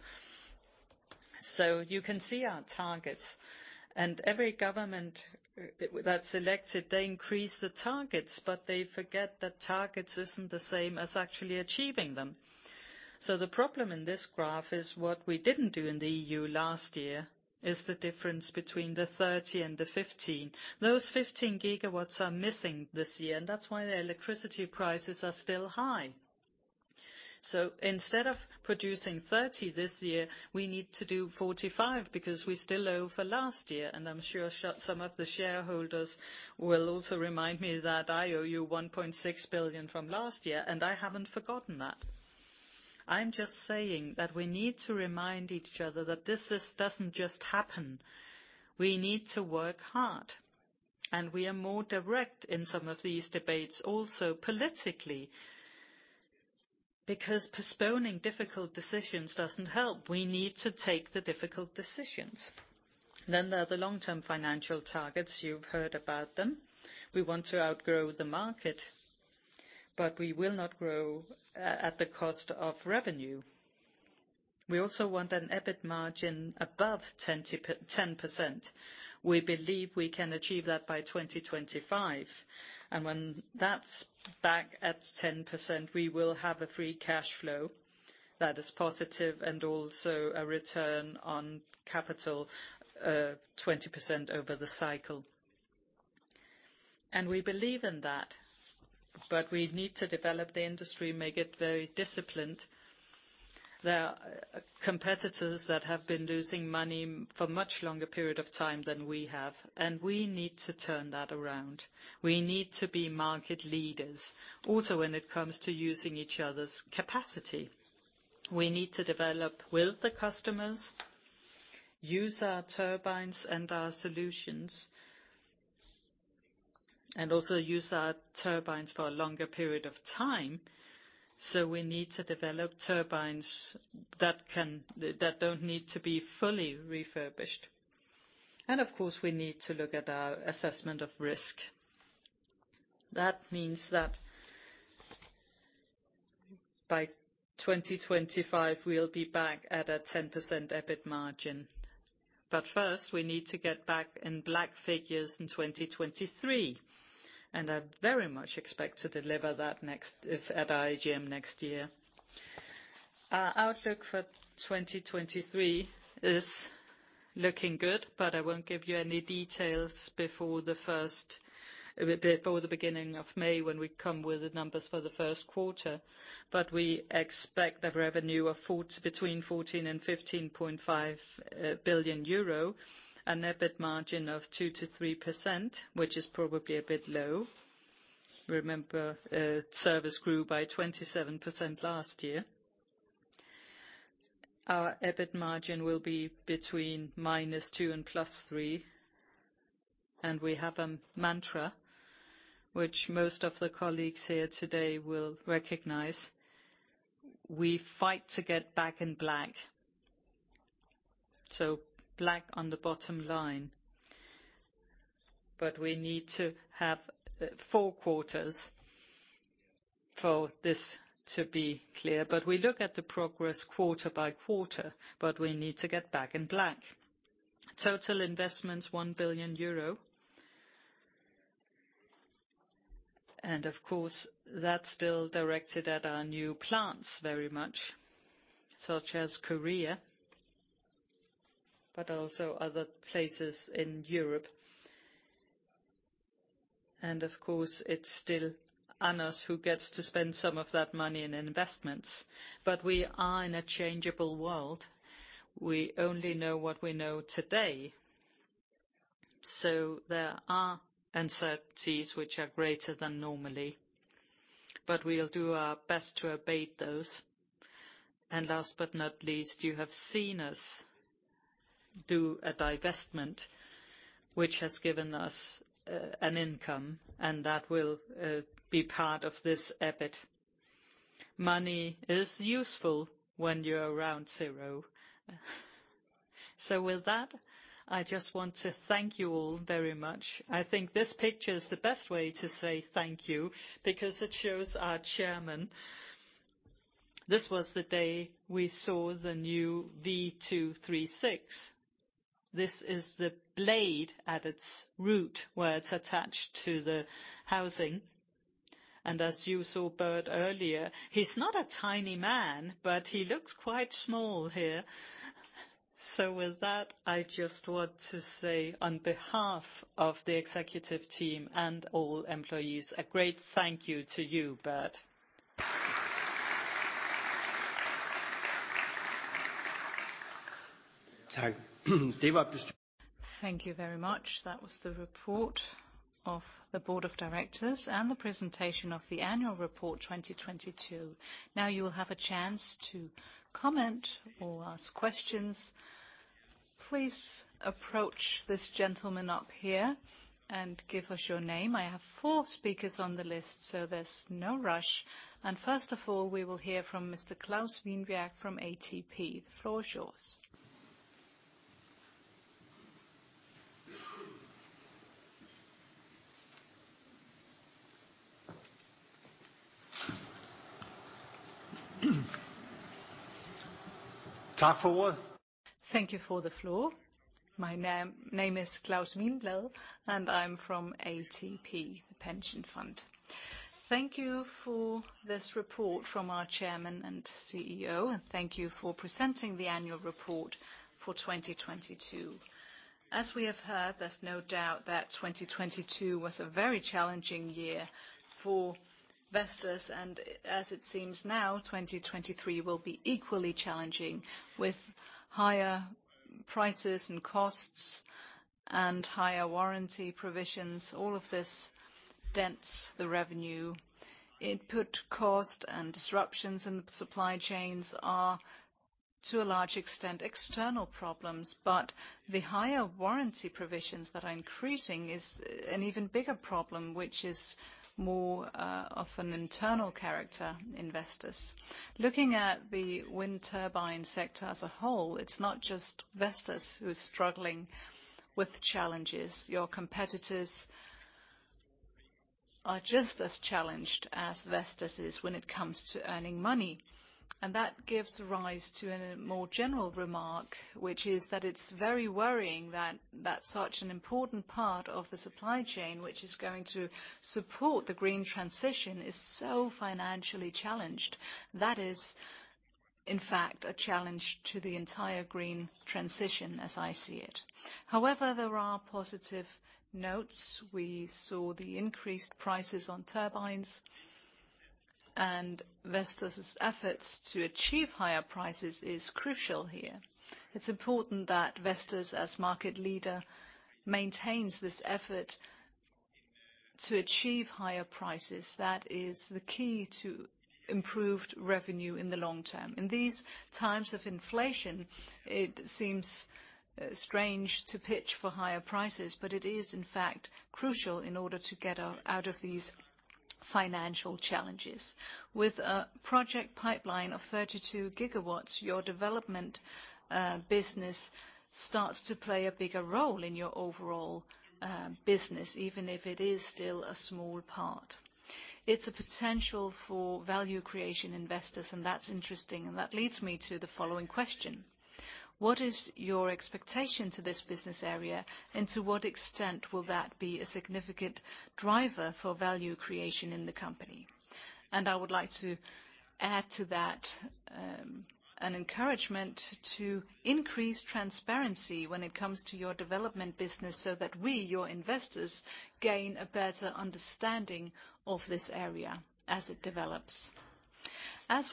You can see our targets. Every government that's elected, they increase the targets, but they forget that targets isn't the same as actually achieving them. The problem in this graph is what we didn't do in the EU last year is the difference between the 30 and the 15. Those 15 gigawatts are missing this year, and that's why the electricity prices are still high. Instead of producing 30 this year, we need to do 45 because we're still low for last year. I'm sure some of the shareholders will also remind me that I owe you 1.6 billion from last year, I haven't forgotten that. I'm just saying that we need to remind each other that this is doesn't just happen. We need to work hard, and we are more direct in some of these debates also politically, because postponing difficult decisions doesn't help. We need to take the difficult decisions. There are the long-term financial targets. You've heard about them. We want to outgrow the market, but we will not grow at the cost of revenue. We also want an EBIT margin above 10%. We believe we can achieve that by 2025. When that's back at 10%, we will have a free cash flow that is positive and also a return on capital, 20% over the cycle. We believe in that, but we need to develop the industry, make it very disciplined. There are competitors that have been losing money for much longer period of time than we have, and we need to turn that around. We need to be market leaders also when it comes to using each other's capacity. We need to develop with the customers, use our turbines and our solutions. And also use our turbines for a longer period of time. We need to develop turbines that don't need to be fully refurbished. Of course, we need to look at our assessment of risk. That means that by 2025 we'll be back at a 10% EBIT margin. First, we need to get back in black figures in 2023, and I very much expect to deliver that at IGM next year. Our outlook for 2023 is looking good, I won't give you any details before the beginning of May when we come with the numbers for the Q1. We expect a revenue of between 14 billion and 15.5 billion euro, an EBIT margin of 2%-3%, which is probably a bit low. Remember, service grew by 27% last year. Our EBIT margin will be between -2% and +3%, and we have a mantra which most of the colleagues here today will recognize. We fight to get back in black. Black on the bottom line. We need to have four quarters for this to be clear. We look at the progress quarter by quarter, we need to get back in black. Total investments, EUR 1 billion. Of course, that's still directed at our new plants very much, such as Korea, but also other places in Europe. Of course, it's still Anders who gets to spend some of that money in investments. We are in a changeable world. We only know what we know today. There are uncertainties which are greater than normally. We'll do our best to abate those. Last but not least, you have seen us do a divestment, which has given us an income, and that will be part of this EBIT. Money is useful when you're around zero. With that, I just want to thank you all very much. I think this picture is the best way to say thank you because it shows our chairman. This was the day we saw the new V236. This is the blade at its root where it's attached to the housing. As you saw Bert earlier, he's not a tiny man, but he looks quite small here. With that, I just want to say, on behalf of the executive team and all employees, a great thank you to you, Bert. Thank you very much. That was the report of the board of directors and the presentation of the annual report 2022. Now you will have a chance to comment or ask questions. Please approach this gentleman up here and give us your name. I have four speakers on the list, so there's no rush. First of all, we will hear from Mr. Claus Wiinblad from ATP. The floor is yours. Thank you for the floor. My name is Claus Wiinblad, I'm from ATP. Thank you for this report from our chairman and CEO. Thank you for presenting the annual report for 2022. As we have heard, there's no doubt that 2022 was a very challenging year for Vestas. As it seems now, 2023 will be equally challenging with higher prices and costs and higher warranty provisions. All of this dents the revenue. Input cost and disruptions in the supply chains are, to a large extent, external problems. The higher warranty provisions that are increasing is an even bigger problem, which is more of an internal character in Vestas. Looking at the wind turbine sector as a whole, it's not just Vestas who is struggling with challenges. Your competitors are just as challenged as Vestas is when it comes to earning money. That gives rise to a more general remark, which is that it's very worrying that such an important part of the supply chain, which is going to support the green transition, is so financially challenged. That is, in fact, a challenge to the entire green transition, as I see it. However, there are positive notes. We saw the increased prices on turbines, and Vestas' efforts to achieve higher prices is crucial here. It's important that Vestas, as market leader, maintains this effort to achieve higher prices. That is the key to improved revenue in the long term. In these times of inflation, it seems strange to pitch for higher prices, but it is, in fact, crucial in order to get out of these financial challenges. With a project pipeline of 32 gigawatts, your development business starts to play a bigger role in your overall business, even if it is still a small part. It's a potential for value creation investors, and that's interesting. That leads me to the following question. What is your expectation to this business area, and to what extent will that be a significant driver for value creation in the company? I would like to add to that an encouragement to increase transparency when it comes to your development business so that we, your investors, gain a better understanding of this area as it develops.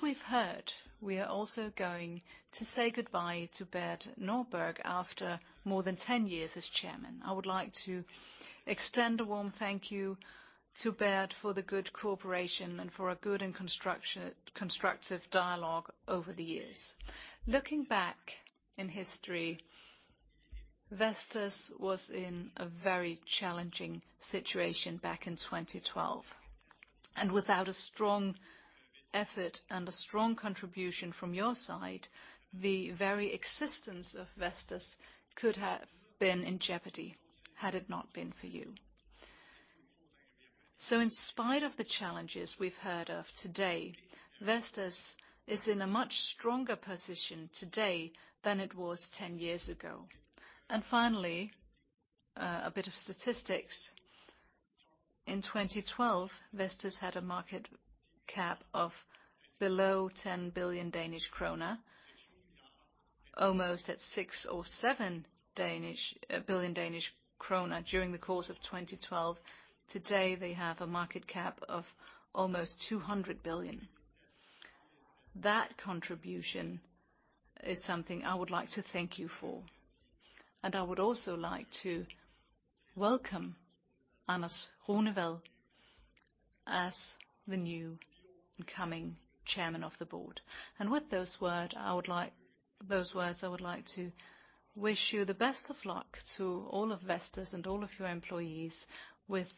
We've heard, we are also going to say goodbye to Bert Nordberg after more than 10 years as chairman. I would like to extend a warm thank you to Bert for the good cooperation and for a good and constructive dialogue over the years. Looking back in history, Vestas was in a very challenging situation back in 2012. Without a strong effort and a strong contribution from your side, the very existence of Vestas could have been in jeopardy had it not been for you. In spite of the challenges we've heard of today, Vestas is in a much stronger position today than it was 10 years ago. Finally, a bit of statistics. In 2012, Vestas had a market cap of below 10 billion Danish krone, almost at 6 or 7 billion during the course of 2012. Today, they have a market cap of almost 200 billion. That contribution is something I would like to thank you for. I would also like to welcome Anders Runevad as the new incoming chairman of the board. With those words, I would like to wish you the best of luck to all of Vestas and all of your employees with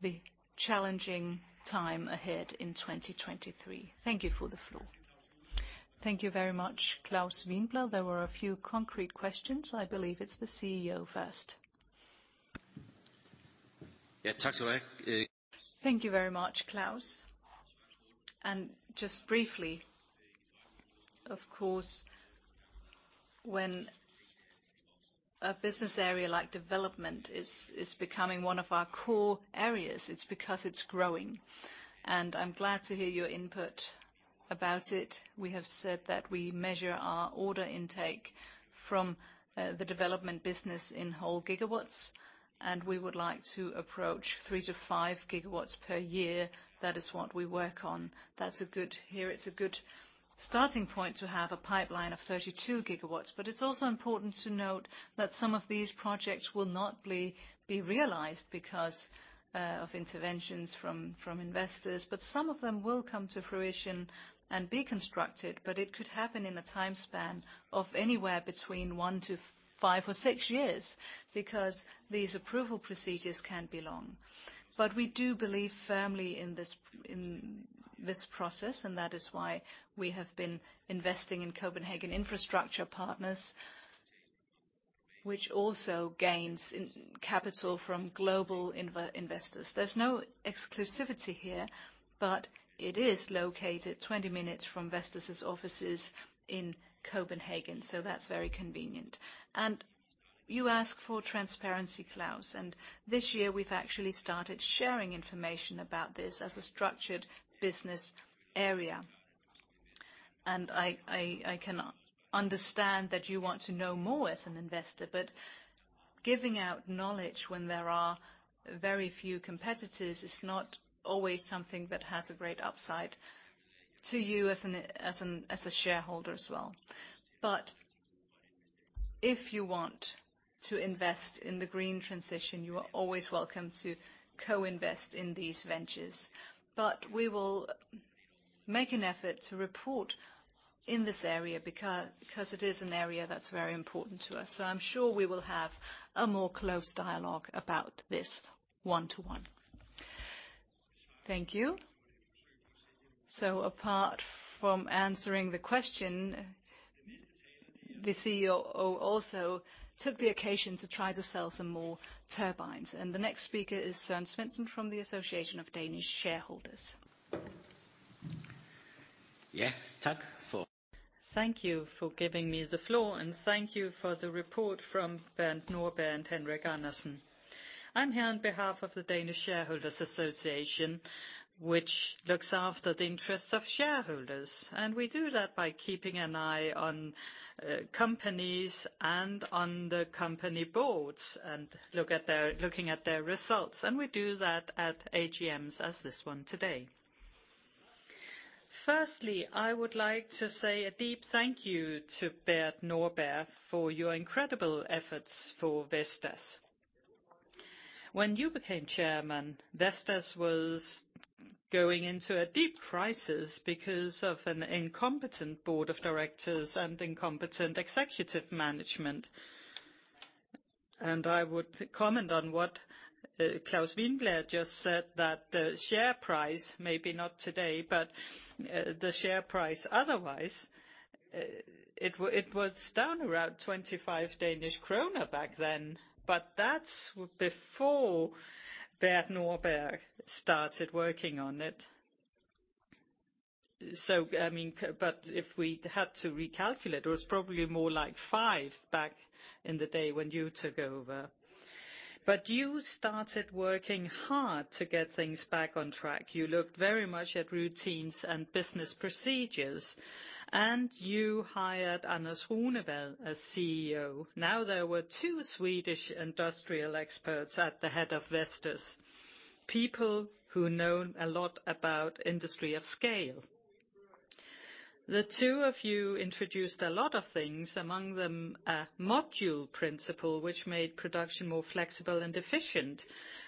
the challenging time ahead in 2023. Thank you for the floor. Thank you very much, Claus Wiinblad. There were a few concrete questions. I believe it's the CEO first. Yeah. Thank you very much, Claus. Just briefly, of course, when a business area like development is becoming one of our core areas, it's because it's growing, and I'm glad to hear your input about it. We have said that we measure our order intake from the development business in whole gigawatts, and we would like to approach 3-5 gigawatts per year. That is what we work on. That's a good It's a good starting point to have a pipeline of 32 gigawatts. But it's also important to note that some of these projects will not be realized because of interventions from investors. But some of them will come to fruition and be constructed, but it could happen in a time span of anywhere between one to five or six years, because these approval procedures can be long. But we do believe firmly in this, in this process, and that is why we have been investing in Copenhagen Infrastructure Partners, which also gains capital from global investors. There's no exclusivity here, but it is located 20 minutes from Vestas' offices in Copenhagen, so that's very convenient. And you ask for transparency, Klaus, and this year we've actually started sharing information about this as a structured business area. I can understand that you want to know more as an investor, but giving out knowledge when there are very few competitors is not always something that has a great upside to you as a shareholder as well. If you want to invest in the green transition, you are always welcome to co-invest in these ventures. We will make an effort to report in this area because it is an area that's very important to us. I'm sure we will have a more close dialogue about this one to one. Thank you. Apart from answering the question, the CEO also took the occasion to try to sell some more turbines. The next speaker is Søren Svendsen from the Danish Shareholders Association. Yeah. Thank you for giving me the floor, and thank you for the report from Bert Nordberg and Henrik Andersen. I'm here on behalf of the Danish Shareholders Association, which looks after the interests of shareholders. We do that by keeping an eye on companies and on the company boards and looking at their results. We do that at AGMs as this one today. Firstly, I would like to say a deep thank you to Bert Nordberg for your incredible efforts for Vestas. When you became Chair, Vestas was going into a deep crisis because of an incompetent board of directors and incompetent executive management. I would comment on what Claus Wiinblad just said, that the share price, maybe not today, but the share price otherwise, it was down around 25 Danish kroner back then, but that's before Bert Nordberg started working on it. I mean, but if we had to recalculate, it was probably more like 5 back in the day when you took over. You started working hard to get things back on track. You looked very much at routines and business procedures, and you hired Anders Runevad as CEO. Now, there were two Swedish industrial experts at the head of Vestas, people who know a lot about industry of scale. The two of you introduced a lot of things, among them a module principle, which made production more flexible and efficient,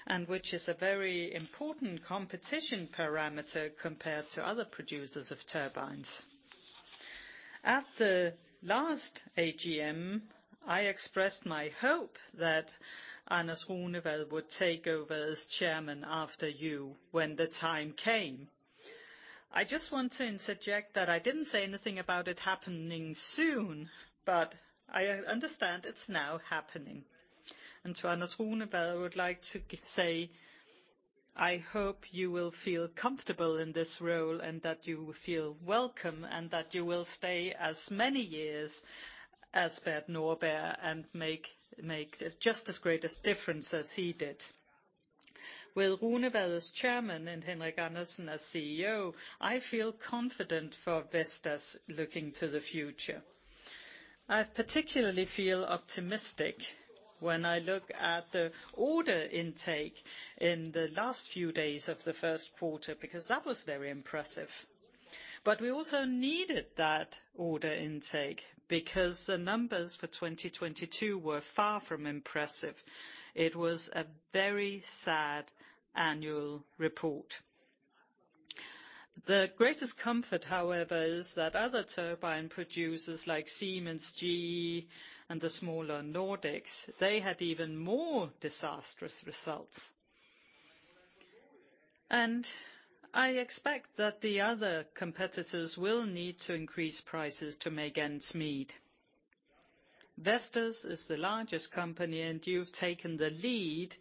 and which is a very important competition parameter compared to other producers of turbines. At the last AGM, I expressed my hope that Anders Runevad would take over as chairman after you when the time came. I just want to interject that I didn't say anything about it happening soon, but I understand it's now happening. To Anders Runevad, I would like to say, I hope you will feel comfortable in this role and that you feel welcome, and that you will stay as many years as Bert Nordberg and make just as great a difference as he did. With Runevad as chairman and Henrik Andersen as CEO, I feel confident for Vestas looking to the future. I particularly feel optimistic when I look at the order intake in the last few days of the Q1, because that was very impressive. We also needed that order intake because the numbers for 2022 were far from impressive. It was a very sad annual report. The greatest comfort, however, is that other turbine producers like Siemens, GE, and the smaller Nordex, they had even more disastrous results. I expect that the other competitors will need to increase prices to make ends meet. Vestas is the largest company, and you've taken the lead,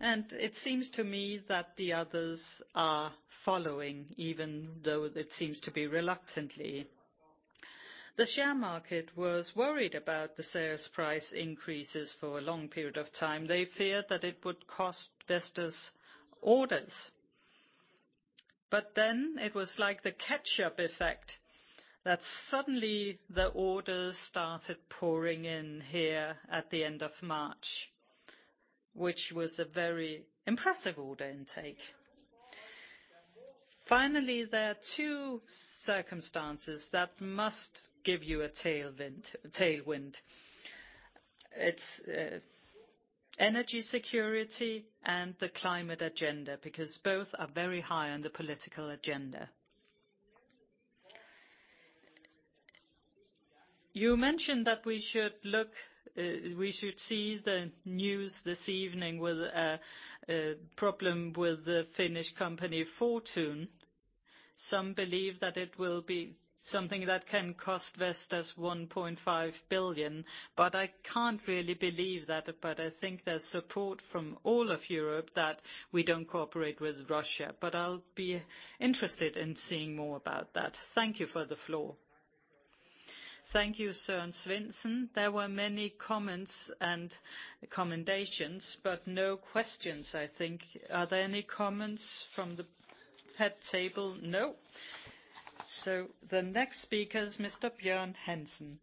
and it seems to me that the others are following, even though it seems to be reluctantly. The share market was worried about the sales price increases for a long period of time. They feared that it would cost Vestas orders. It was like the catch-up effect, that suddenly the orders started pouring in here at the end of March, which was a very impressive order intake. Finally, there are two circumstances that must give you a tail wind. It's energy security and the climate agenda, both are very high on the political agenda. You mentioned that we should look, we should see the news this evening with a problem with the Finnish company, Fortum. Some believe that it will be something that can cost Vestas 1.5 billion, I can't really believe that. I think there's support from all of Europe that we don't cooperate with Russia, I'll be interested in seeing more about that. Thank you for the floor. Thank you, Søren Svendsen. There were many comments and commendations, no questions, I think. Are there any comments from the pet table? No. The next speaker is Mr. Bjorn Hansen.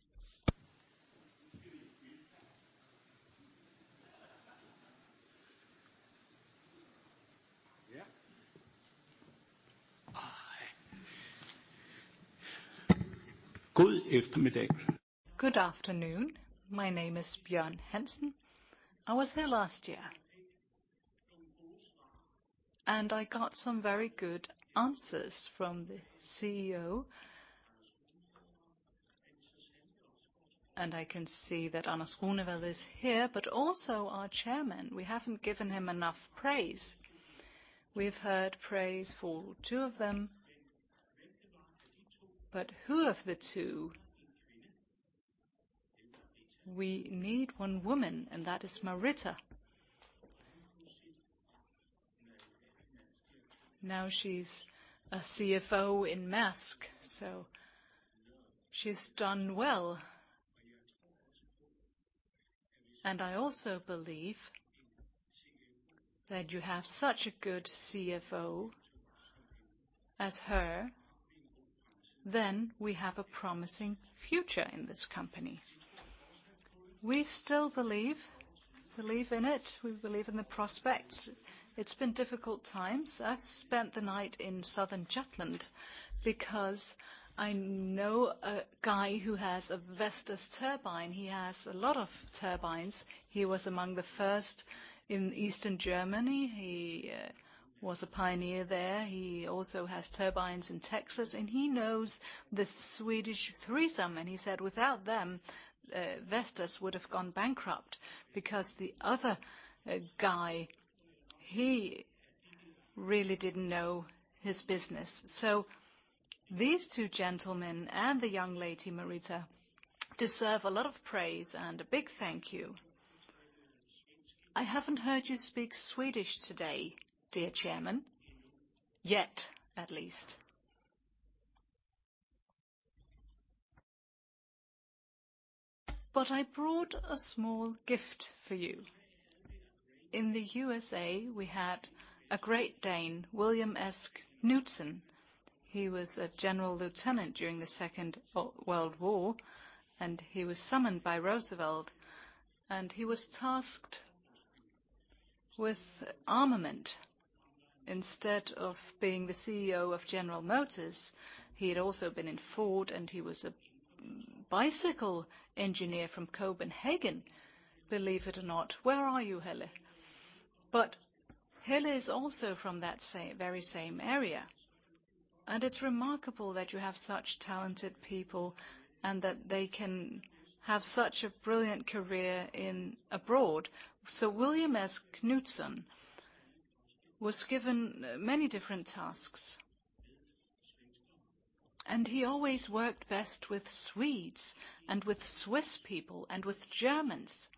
Good afternoon. My name is Bjorn Hansen. I was here last year. I got some very good answers from the CEO. I can see that Anders Runevad is here, but also our chairman. We haven't given him enough praise. We've heard praise for two of them, but who of the two? We need one woman, and that is Marika. She's a CFO in Maersk, so she's done well. I also believe that you have such a good CFO as her, then we have a promising future in this company. We still believe in it. We believe in the prospects. It's been difficult times. I've spent the night in Southern Jutland because I know a guy who has a Vestas turbine. He has a lot of turbines. He was among the first in Eastern Germany. He was a pioneer there. He also has turbines in Texas, and he knows the Swedish threesome, and he said, "Without them, Vestas would have gone bankrupt," because the other guy really didn't know his business. These two gentlemen and the young lady, Marita, deserve a lot of praise and a big thank you. I haven't heard you speak Swedish today, dear Chairman. At least. I brought a small gift for you. In the USA, we had a great Dane, William Esk Knutson. He was a general lieutenant during the Second World War, and he was summoned by Roosevelt, and he was tasked with armament. Instead of being the CEO of General Motors, he had also been in Ford, and he was a bicycle engineer from Copenhagen, believe it or not. Where are you, Helle? Helle is also from that very same area. It's remarkable that you have such talented people and that they can have such a brilliant career abroad. William S. Knutson was given many different tasks. He always worked best with Swedes and with Swiss people and with Germans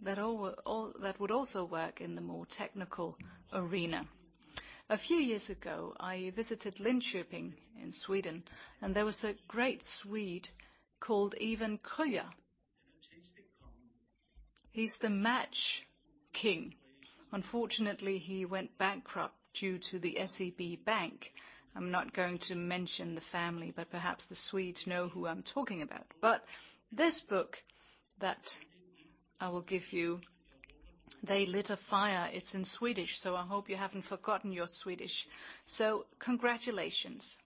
that would also work in the more technical arena. A few years ago, I visited Linköping in Sweden, and there was a great Swede called Ivar Kreuger. He's the match king. Unfortunately, he went bankrupt due to the SEB Bank. I'm not going to mention the family, but perhaps the Swedes know who I'm talking about. This book that I will give you, They Lit a Fire. It's in Swedish, so I hope you haven't forgotten your Swedish. Congratulations.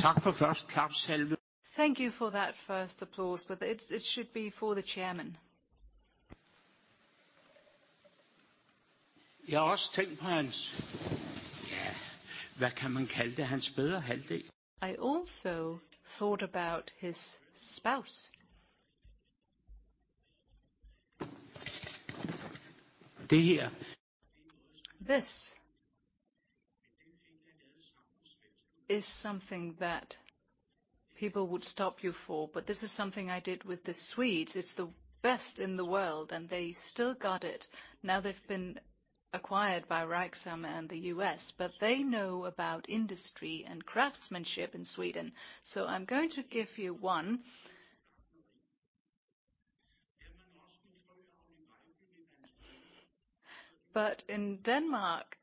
Thank you for that first applause, but it should be for the chairman. I also thought about his spouse. This is something that people would stop you for, but this is something I did with the Swedes. It's the best in the world, and they still got it. Now they've been acquired by Rexam in the U.S., but they know about industry and craftsmanship in Sweden. I'm going to give you one. In Denmark,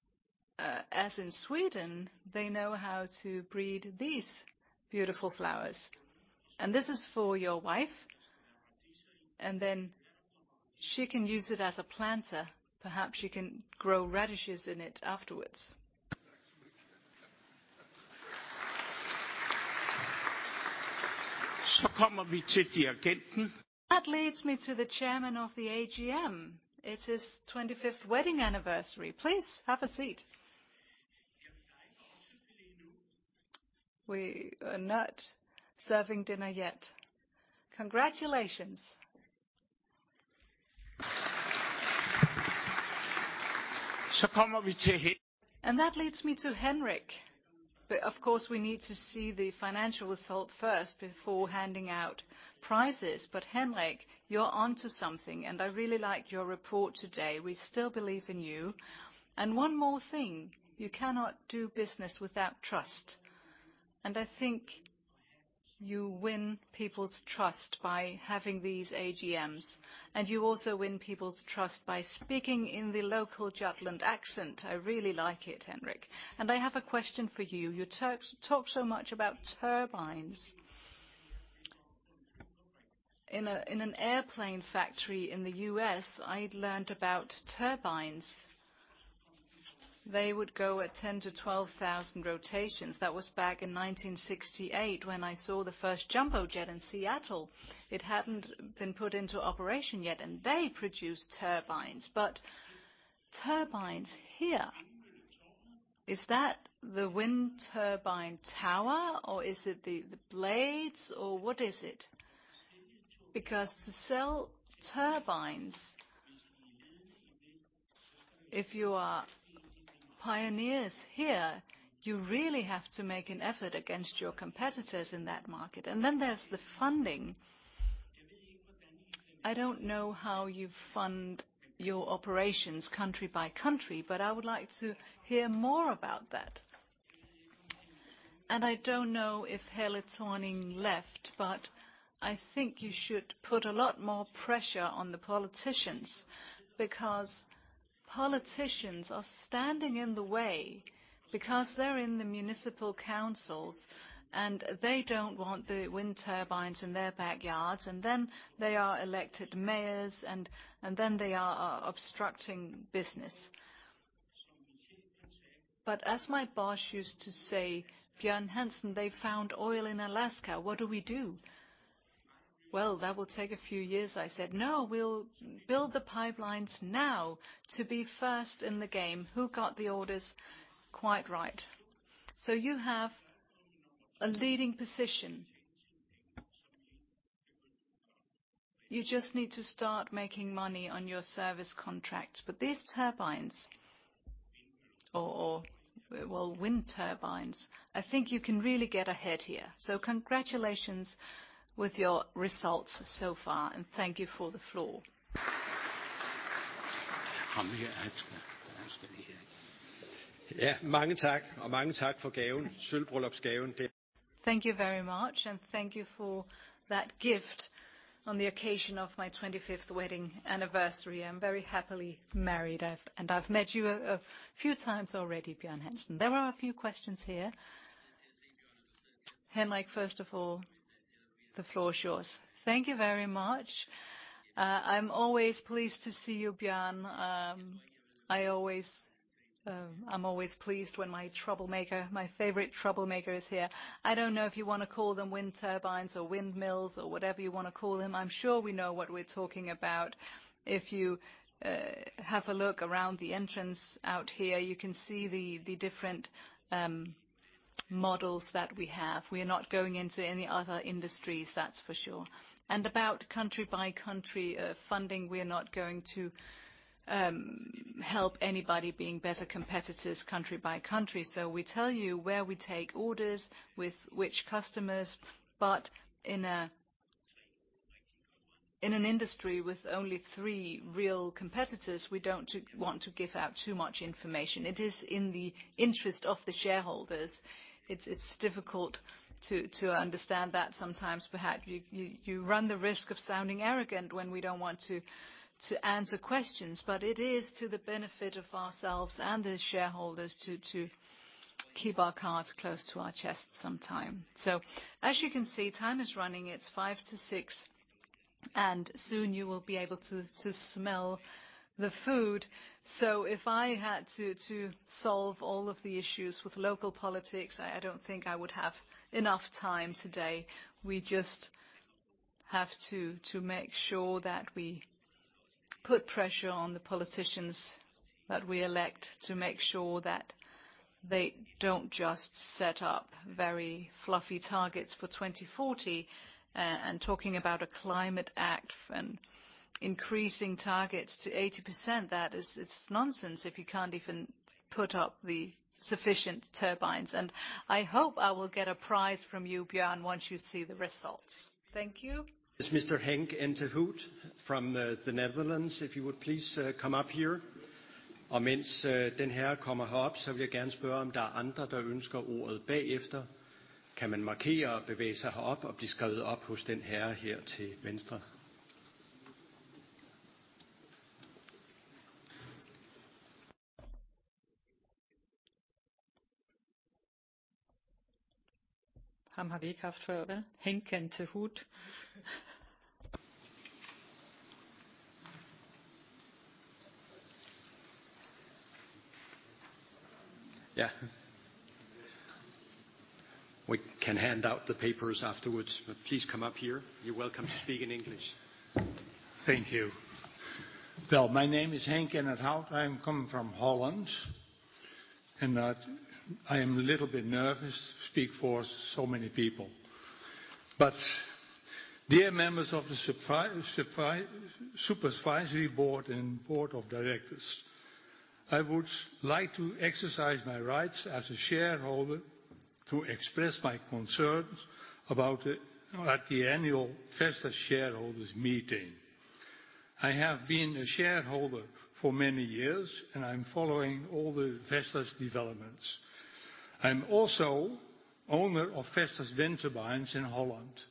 as in Sweden, they know how to breed these beautiful flowers. This is for your wife. Then she can use it as a planter. Perhaps she can grow radishes in it afterwards. That leads me to the chairman of the AGM. It's his 25th wedding anniversary. Please have a seat. We are not serving dinner yet. Congratulations. That leads me to Henrik. Of course, we need to see the financial result first before handing out prizes. Henrik, you're onto something, and I really like your report today. We still believe in you. One more thing, you cannot do business without trust. I think you win people's trust by having these AGMs. You also win people's trust by speaking in the local Jutland accent. I really like it, Henrik. I have a question for you. You talk so much about turbines. In an airplane factory in the U.S., I learned about turbines. They would go at 10 to 12 thousand rotations. That was back in 1968 when I saw the first jumbo jet in Seattle. It hadn't been put into operation yet, and they produced turbines. But turbines here, is that the wind turbine tower, or is it the blades, or what is it? Because to sell turbines, if you are pioneers here, you really have to make an effort against your competitors in that market. Then there's the funding. I don't know how you fund your operations country by country, but I would like to hear more about that. I don't know if Helle Thorning left, but I think you should put a lot more pressure on the politicians, because politicians are standing in the way because they're in the municipal councils, and they don't want the wind turbines in their backyards. They are elected mayors, and then they are obstructing business. As my boss used to say, "Bjorn Hansen, they found oil in Alaska. What do we do?" "Well, that will take a few years," I said. "No, we'll build the pipelines now to be first in the game." Who got the orders quite right. You have a leading position. You just need to start making money on your service contracts. These turbines or, well, wind turbines, I think you can really get ahead here. Congratulations with your results so far, and thank you for the floor. Thank you very much, and thank you for that gift on the occasion of my 25th wedding anniversary. I'm very happily married. I've met you a few times already, Bjorn Hansen. There are a few questions here. Henrik, first of all, the floor is yours. Thank you very much. I'm always pleased to see you, Bjorn. I'm always pleased when my troublemaker, my favorite troublemaker is here. I don't know if you wanna call them wind turbines or windmills or whatever you wanna call them. I'm sure we know what we're talking about. If you have a look around the entrance out here, you can see the different models that we have. We are not going into any other industries, that's for sure. About country by country funding, we are not going to help anybody being better competitors country by country. We tell you where we take orders with which customers, but in an industry with only three real competitors, we don't want to give out too much information. It is in the interest of the shareholders. It's difficult to understand that sometimes perhaps you run the risk of sounding arrogant when we don't want to answer questions, but it is to the benefit of ourselves and the shareholders to keep our cards close to our chest sometime. As you can see, time is running. It's 5 to 6. Soon you will be able to smell the food. If I had to solve all of the issues with local politics, I don't think I would have enough time today. We just have to make sure that we put pressure on the politicians that we elect to make sure that they don't just set up very fluffy targets for 2040, and talking about a climate act and increasing targets to 80%. That is, it's nonsense if you can't even put up the sufficient turbines. I hope I will get a prize from you, Bjorn, once you see the results. Thank you. It's Mr. Henk Enterhout from the Netherlands. If you would please come up here. Henk Enterhout. Yeah. We can hand out the papers afterwards, but please come up here. You're welcome to speak in English. Thank you. Well, my name is Henk Enterhout. I'm coming from Holland, and I am a little bit nervous to speak for so many people. Dear members of the supervisory board and board of directors, I would like to exercise my rights as a shareholder to express my concerns about at the annual Vestas shareholders meeting. I have been a shareholder for many years, and I'm following all the Vestas developments. I'm also owner of Vestas wind turbines in Holland,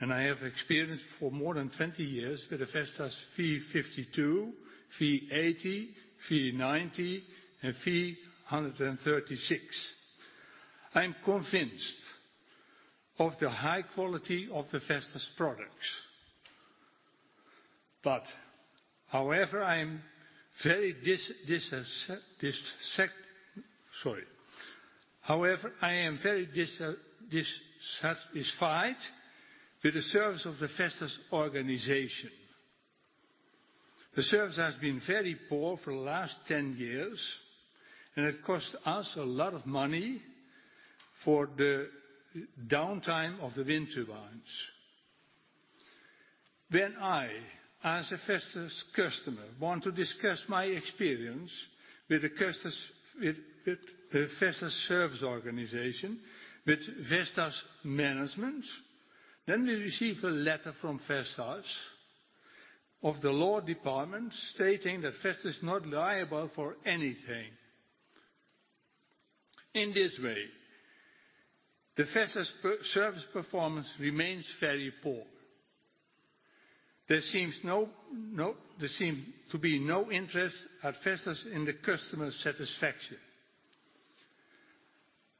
and I have experience for more than 20 years with the Vestas V52, V80, V90, and V136. I'm convinced of the high quality of the Vestas products. However, I am very dissatisfied with the service of the Vestas organization. The service has been very poor for the last 10 years. It cost us a lot of money for the downtime of the wind turbines. When I, as a Vestas customer, want to discuss my experience with the Vestas service organization, with Vestas management, we receive a letter from Vestas of the law department stating that Vestas is not liable for anything. In this way, the Vestas service performance remains very poor. There seem to be no interest at Vestas in the customer satisfaction.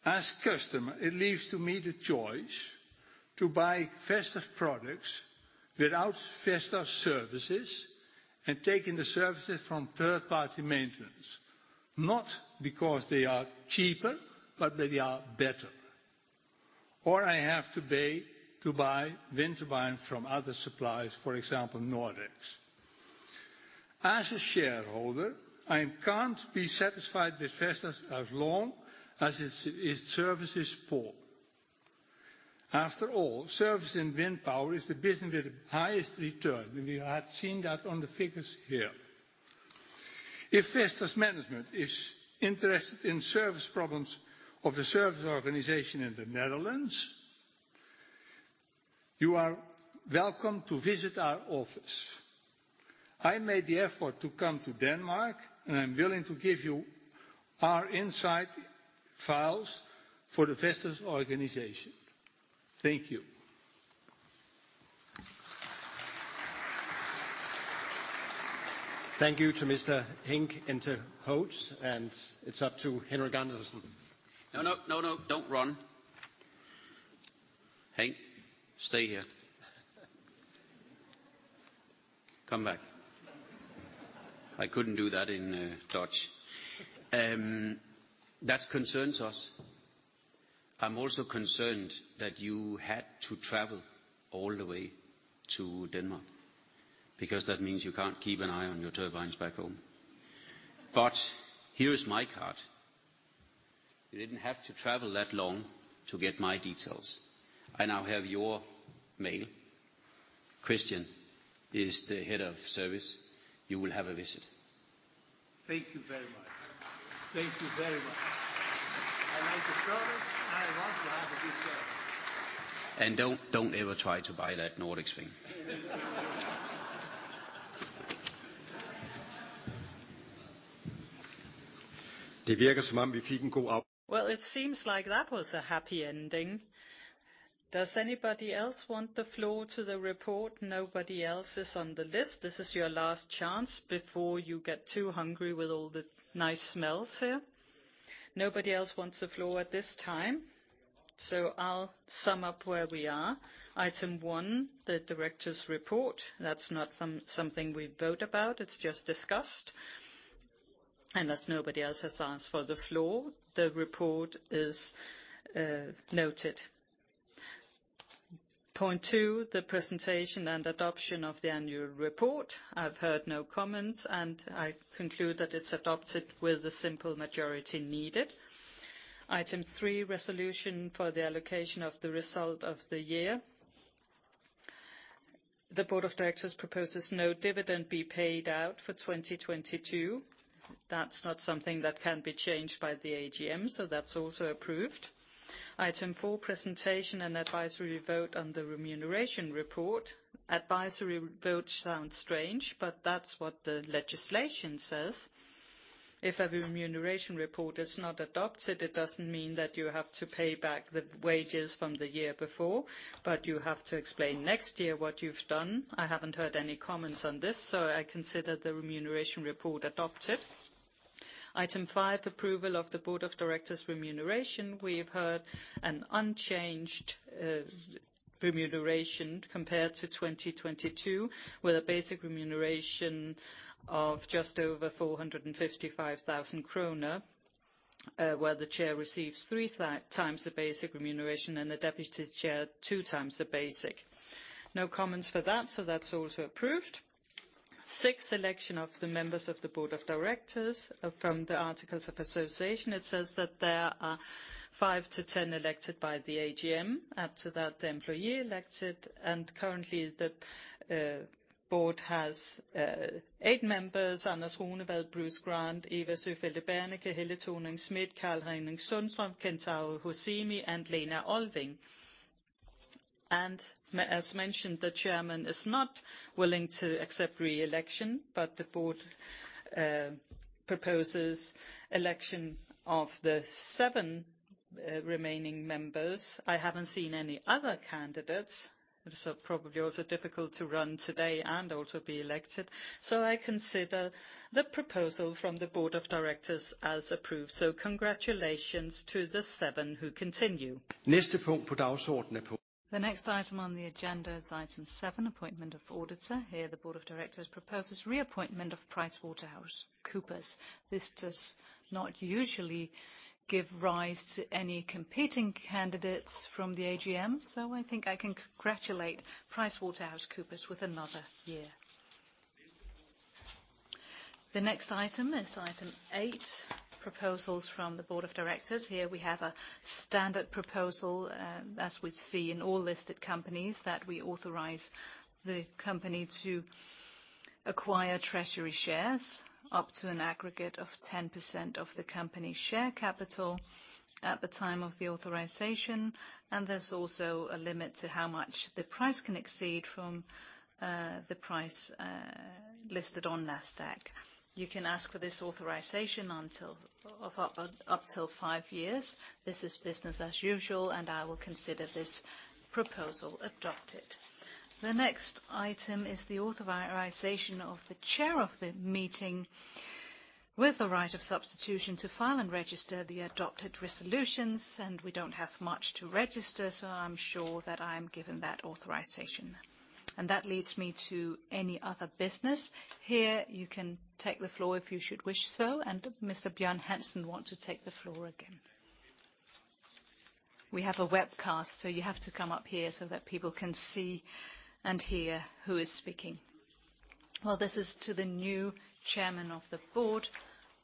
As customer, it leaves to me the choice to buy Vestas products without Vestas services and taking the services from third-party maintenance, not because they are cheaper, but they are better. I have to pay to buy wind turbine from other suppliers, for example, Nordex. As a shareholder, I can't be satisfied with Vestas as long as its service is poor. After all, service and wind power is the business with the highest return. We have seen that on the figures here. If Vestas management is interested in service problems of the service organization in the Netherlands, you are welcome to visit our office. I made the effort to come to Denmark, and I'm willing to give you our inside files for the Vestas organization. Thank you. Thank you to Mr. Henk Enterhout, and it's up to Henrik Andersen. No, no. No, no, don't run. Henk, stay here. Come back. I couldn't do that in Dutch. That concerns us. I'm also concerned that you had to travel all the way to Denmark, because that means you can't keep an eye on your turbines back home. Here is my card. You didn't have to travel that long to get my details. I now have your mail. Christian is the head of service. You will have a visit. Thank you very much. I like the product, I want to have a good service. Don't ever try to buy that Nordex thing. Well, it seems like that was a happy ending. Does anybody else want the floor to the report? Nobody else is on the list. This is your last chance before you get too hungry with all the nice smells here. Nobody else wants the floor at this time, I'll sum up where we are. Item one, the director's report. That's not something we vote about, it's just discussed. As nobody else has asked for the floor, the report is noted. Point two, the presentation and adoption of the annual report. I've heard no comments, I conclude that it's adopted with the simple majority needed. Item three, resolution for the allocation of the result of the year. The board of directors proposes no dividend be paid out for 2022. That's not something that can be changed by the AGM, that's also approved. Item 4, presentation and advisory vote on the remuneration report. Advisory vote sounds strange, but that's what the legislation says. If a remuneration report is not adopted, it doesn't mean that you have to pay back the wages from the year before, but you have to explain next year what you've done. I haven't heard any comments on this. I consider the remuneration report adopted. Item five, approval of the board of directors' remuneration. We've heard an unchanged remuneration compared to 2022, with a basic remuneration of just over 455,000 kroner, where the Chair receives three times the basic remuneration and the Deputy Chair two times the basic. No comments for that. That's also approved. Six, election of the members of the board of directors. From the articles of association, it says that there are five to 10 elected by the AGM. Add to that, the employee elected, currently the board has eight members: Anders Runevad, Bruce Grant, Eva Sjöstedt-Bernike, Helle Thorning-Schmidt, Karl-Henrik Sundström, Kentaro Hosomi, and Lena Olving. As mentioned, the chairman is not willing to accept reelection, the board proposes election of the seven remaining members. I haven't seen any other candidates. It is probably also difficult to run today and also be elected. I consider the proposal from the board of directors as approved. Congratulations to the seven who continue. The next item on the agenda is item seven, appointment of auditor. Here, the board of directors proposes reappointment of PricewaterhouseCoopers. This does not usually give rise to any competing candidates from the AGM. I think I can congratulate PricewaterhouseCoopers with another year. The next item is item eight, proposals from the board of directors. Here we have a standard proposal, as we see in all listed companies, that we authorize the company to acquire treasury shares up to an aggregate of 10% of the company share capital at the time of the authorization. There's also a limit to how much the price can exceed from the price listed on Nasdaq. You can ask for this authorization up till five years. This is business as usual. I will consider this proposal adopted. The next item is the authorization of the chair of the meeting with the right of substitution to file and register the adopted resolutions, and we don't have much to register, so I'm sure that I'm given that authorization. That leads me to any other business. Here, you can take the floor if you should wish so. Mr. Bjorn Hansen want to take the floor again. We have a webcast, so you have to come up here so that people can see and hear who is speaking. Well, this is to the new chairman of the board.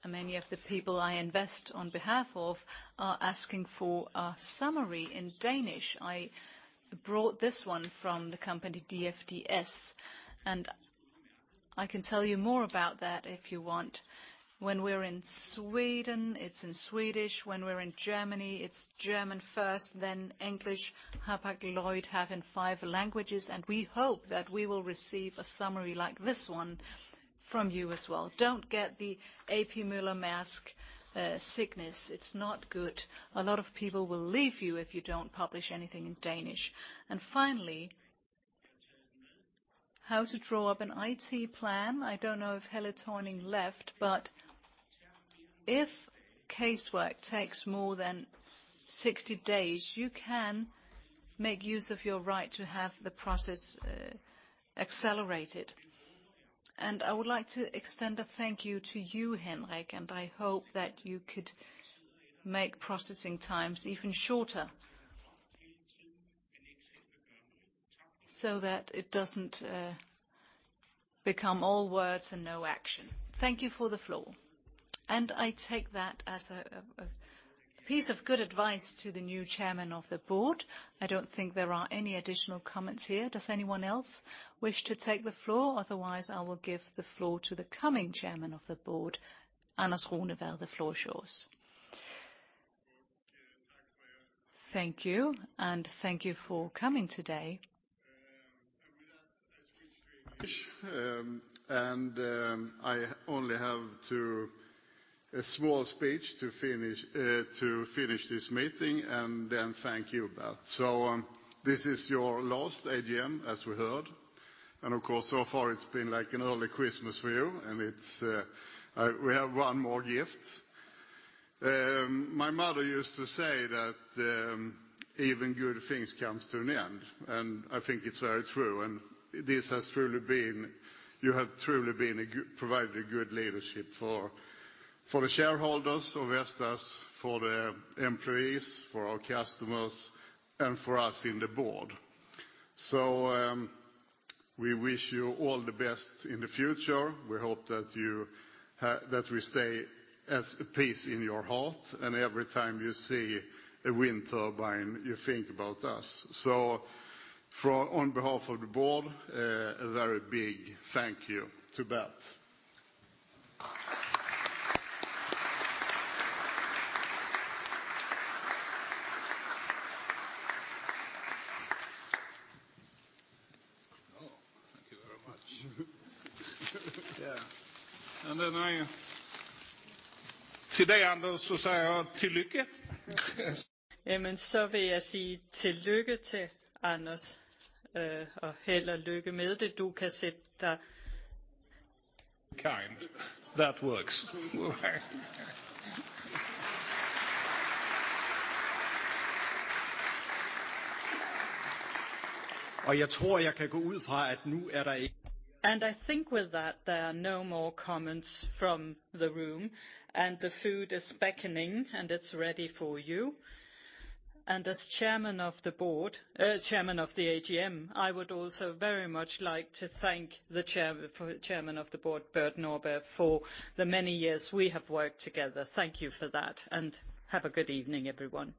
Many of the people I invest on behalf of are asking for a summary in Danish. I brought this one from the company DFDS, and I can tell you more about that if you want. When we're in Sweden, it's in Swedish. When we're in Germany, it's German first, then English. Hapag-Lloyd have in 5 languages. We hope that we will receive a summary like this one from you as well. Don't get the A.P. Møller - Mærsk sickness. It's not good. A lot of people will leave you if you don't publish anything in Danish. Finally, how to draw up an IT plan. I don't know if Helle Thorning-Schmidt left, but if casework takes more than 60 days, you can make use of your right to have the process accelerated. I would like to extend a thank you to you, Henrik. I hope that you could make processing times even shorter so that it doesn't become all words and no action. Thank you for the floor. I take that as a piece of good advice to the new Chairman of the Board. I don't think there are any additional comments here. Does anyone else wish to take the floor? Otherwise, I will give the floor to the coming Chairman of the Board, Anders Runevad, the floor is yours. Thank you, and thank you for coming today. I only have a small speech to finish this meeting. Thank you, Bert. This is your last AGM, as we heard. Of course, so far it's been like an early Christmas for you, and it's, we have 1 more gift. My mother used to say that even good things comes to an end, and I think it's very true. You have truly been provided a good leadership for the shareholders of Vestas, for the employees, for our customers, and for us in the board. We wish you all the best in the future. We hope that we stay as peace in your heart, and every time you see a wind turbine, you think about us. On behalf of the board, a very big thank you to Bert. Thank you very much. Yeah. Very kind. That works. I think with that, there are no more comments from the room. The food is beckoning, and it's ready for you. As Chairman of the Board, Chairman of the AGM, I would also very much like to thank the Chairman of the Board, Bert Nordberg, for the many years we have worked together. Thank you for that. Have a good evening, everyone.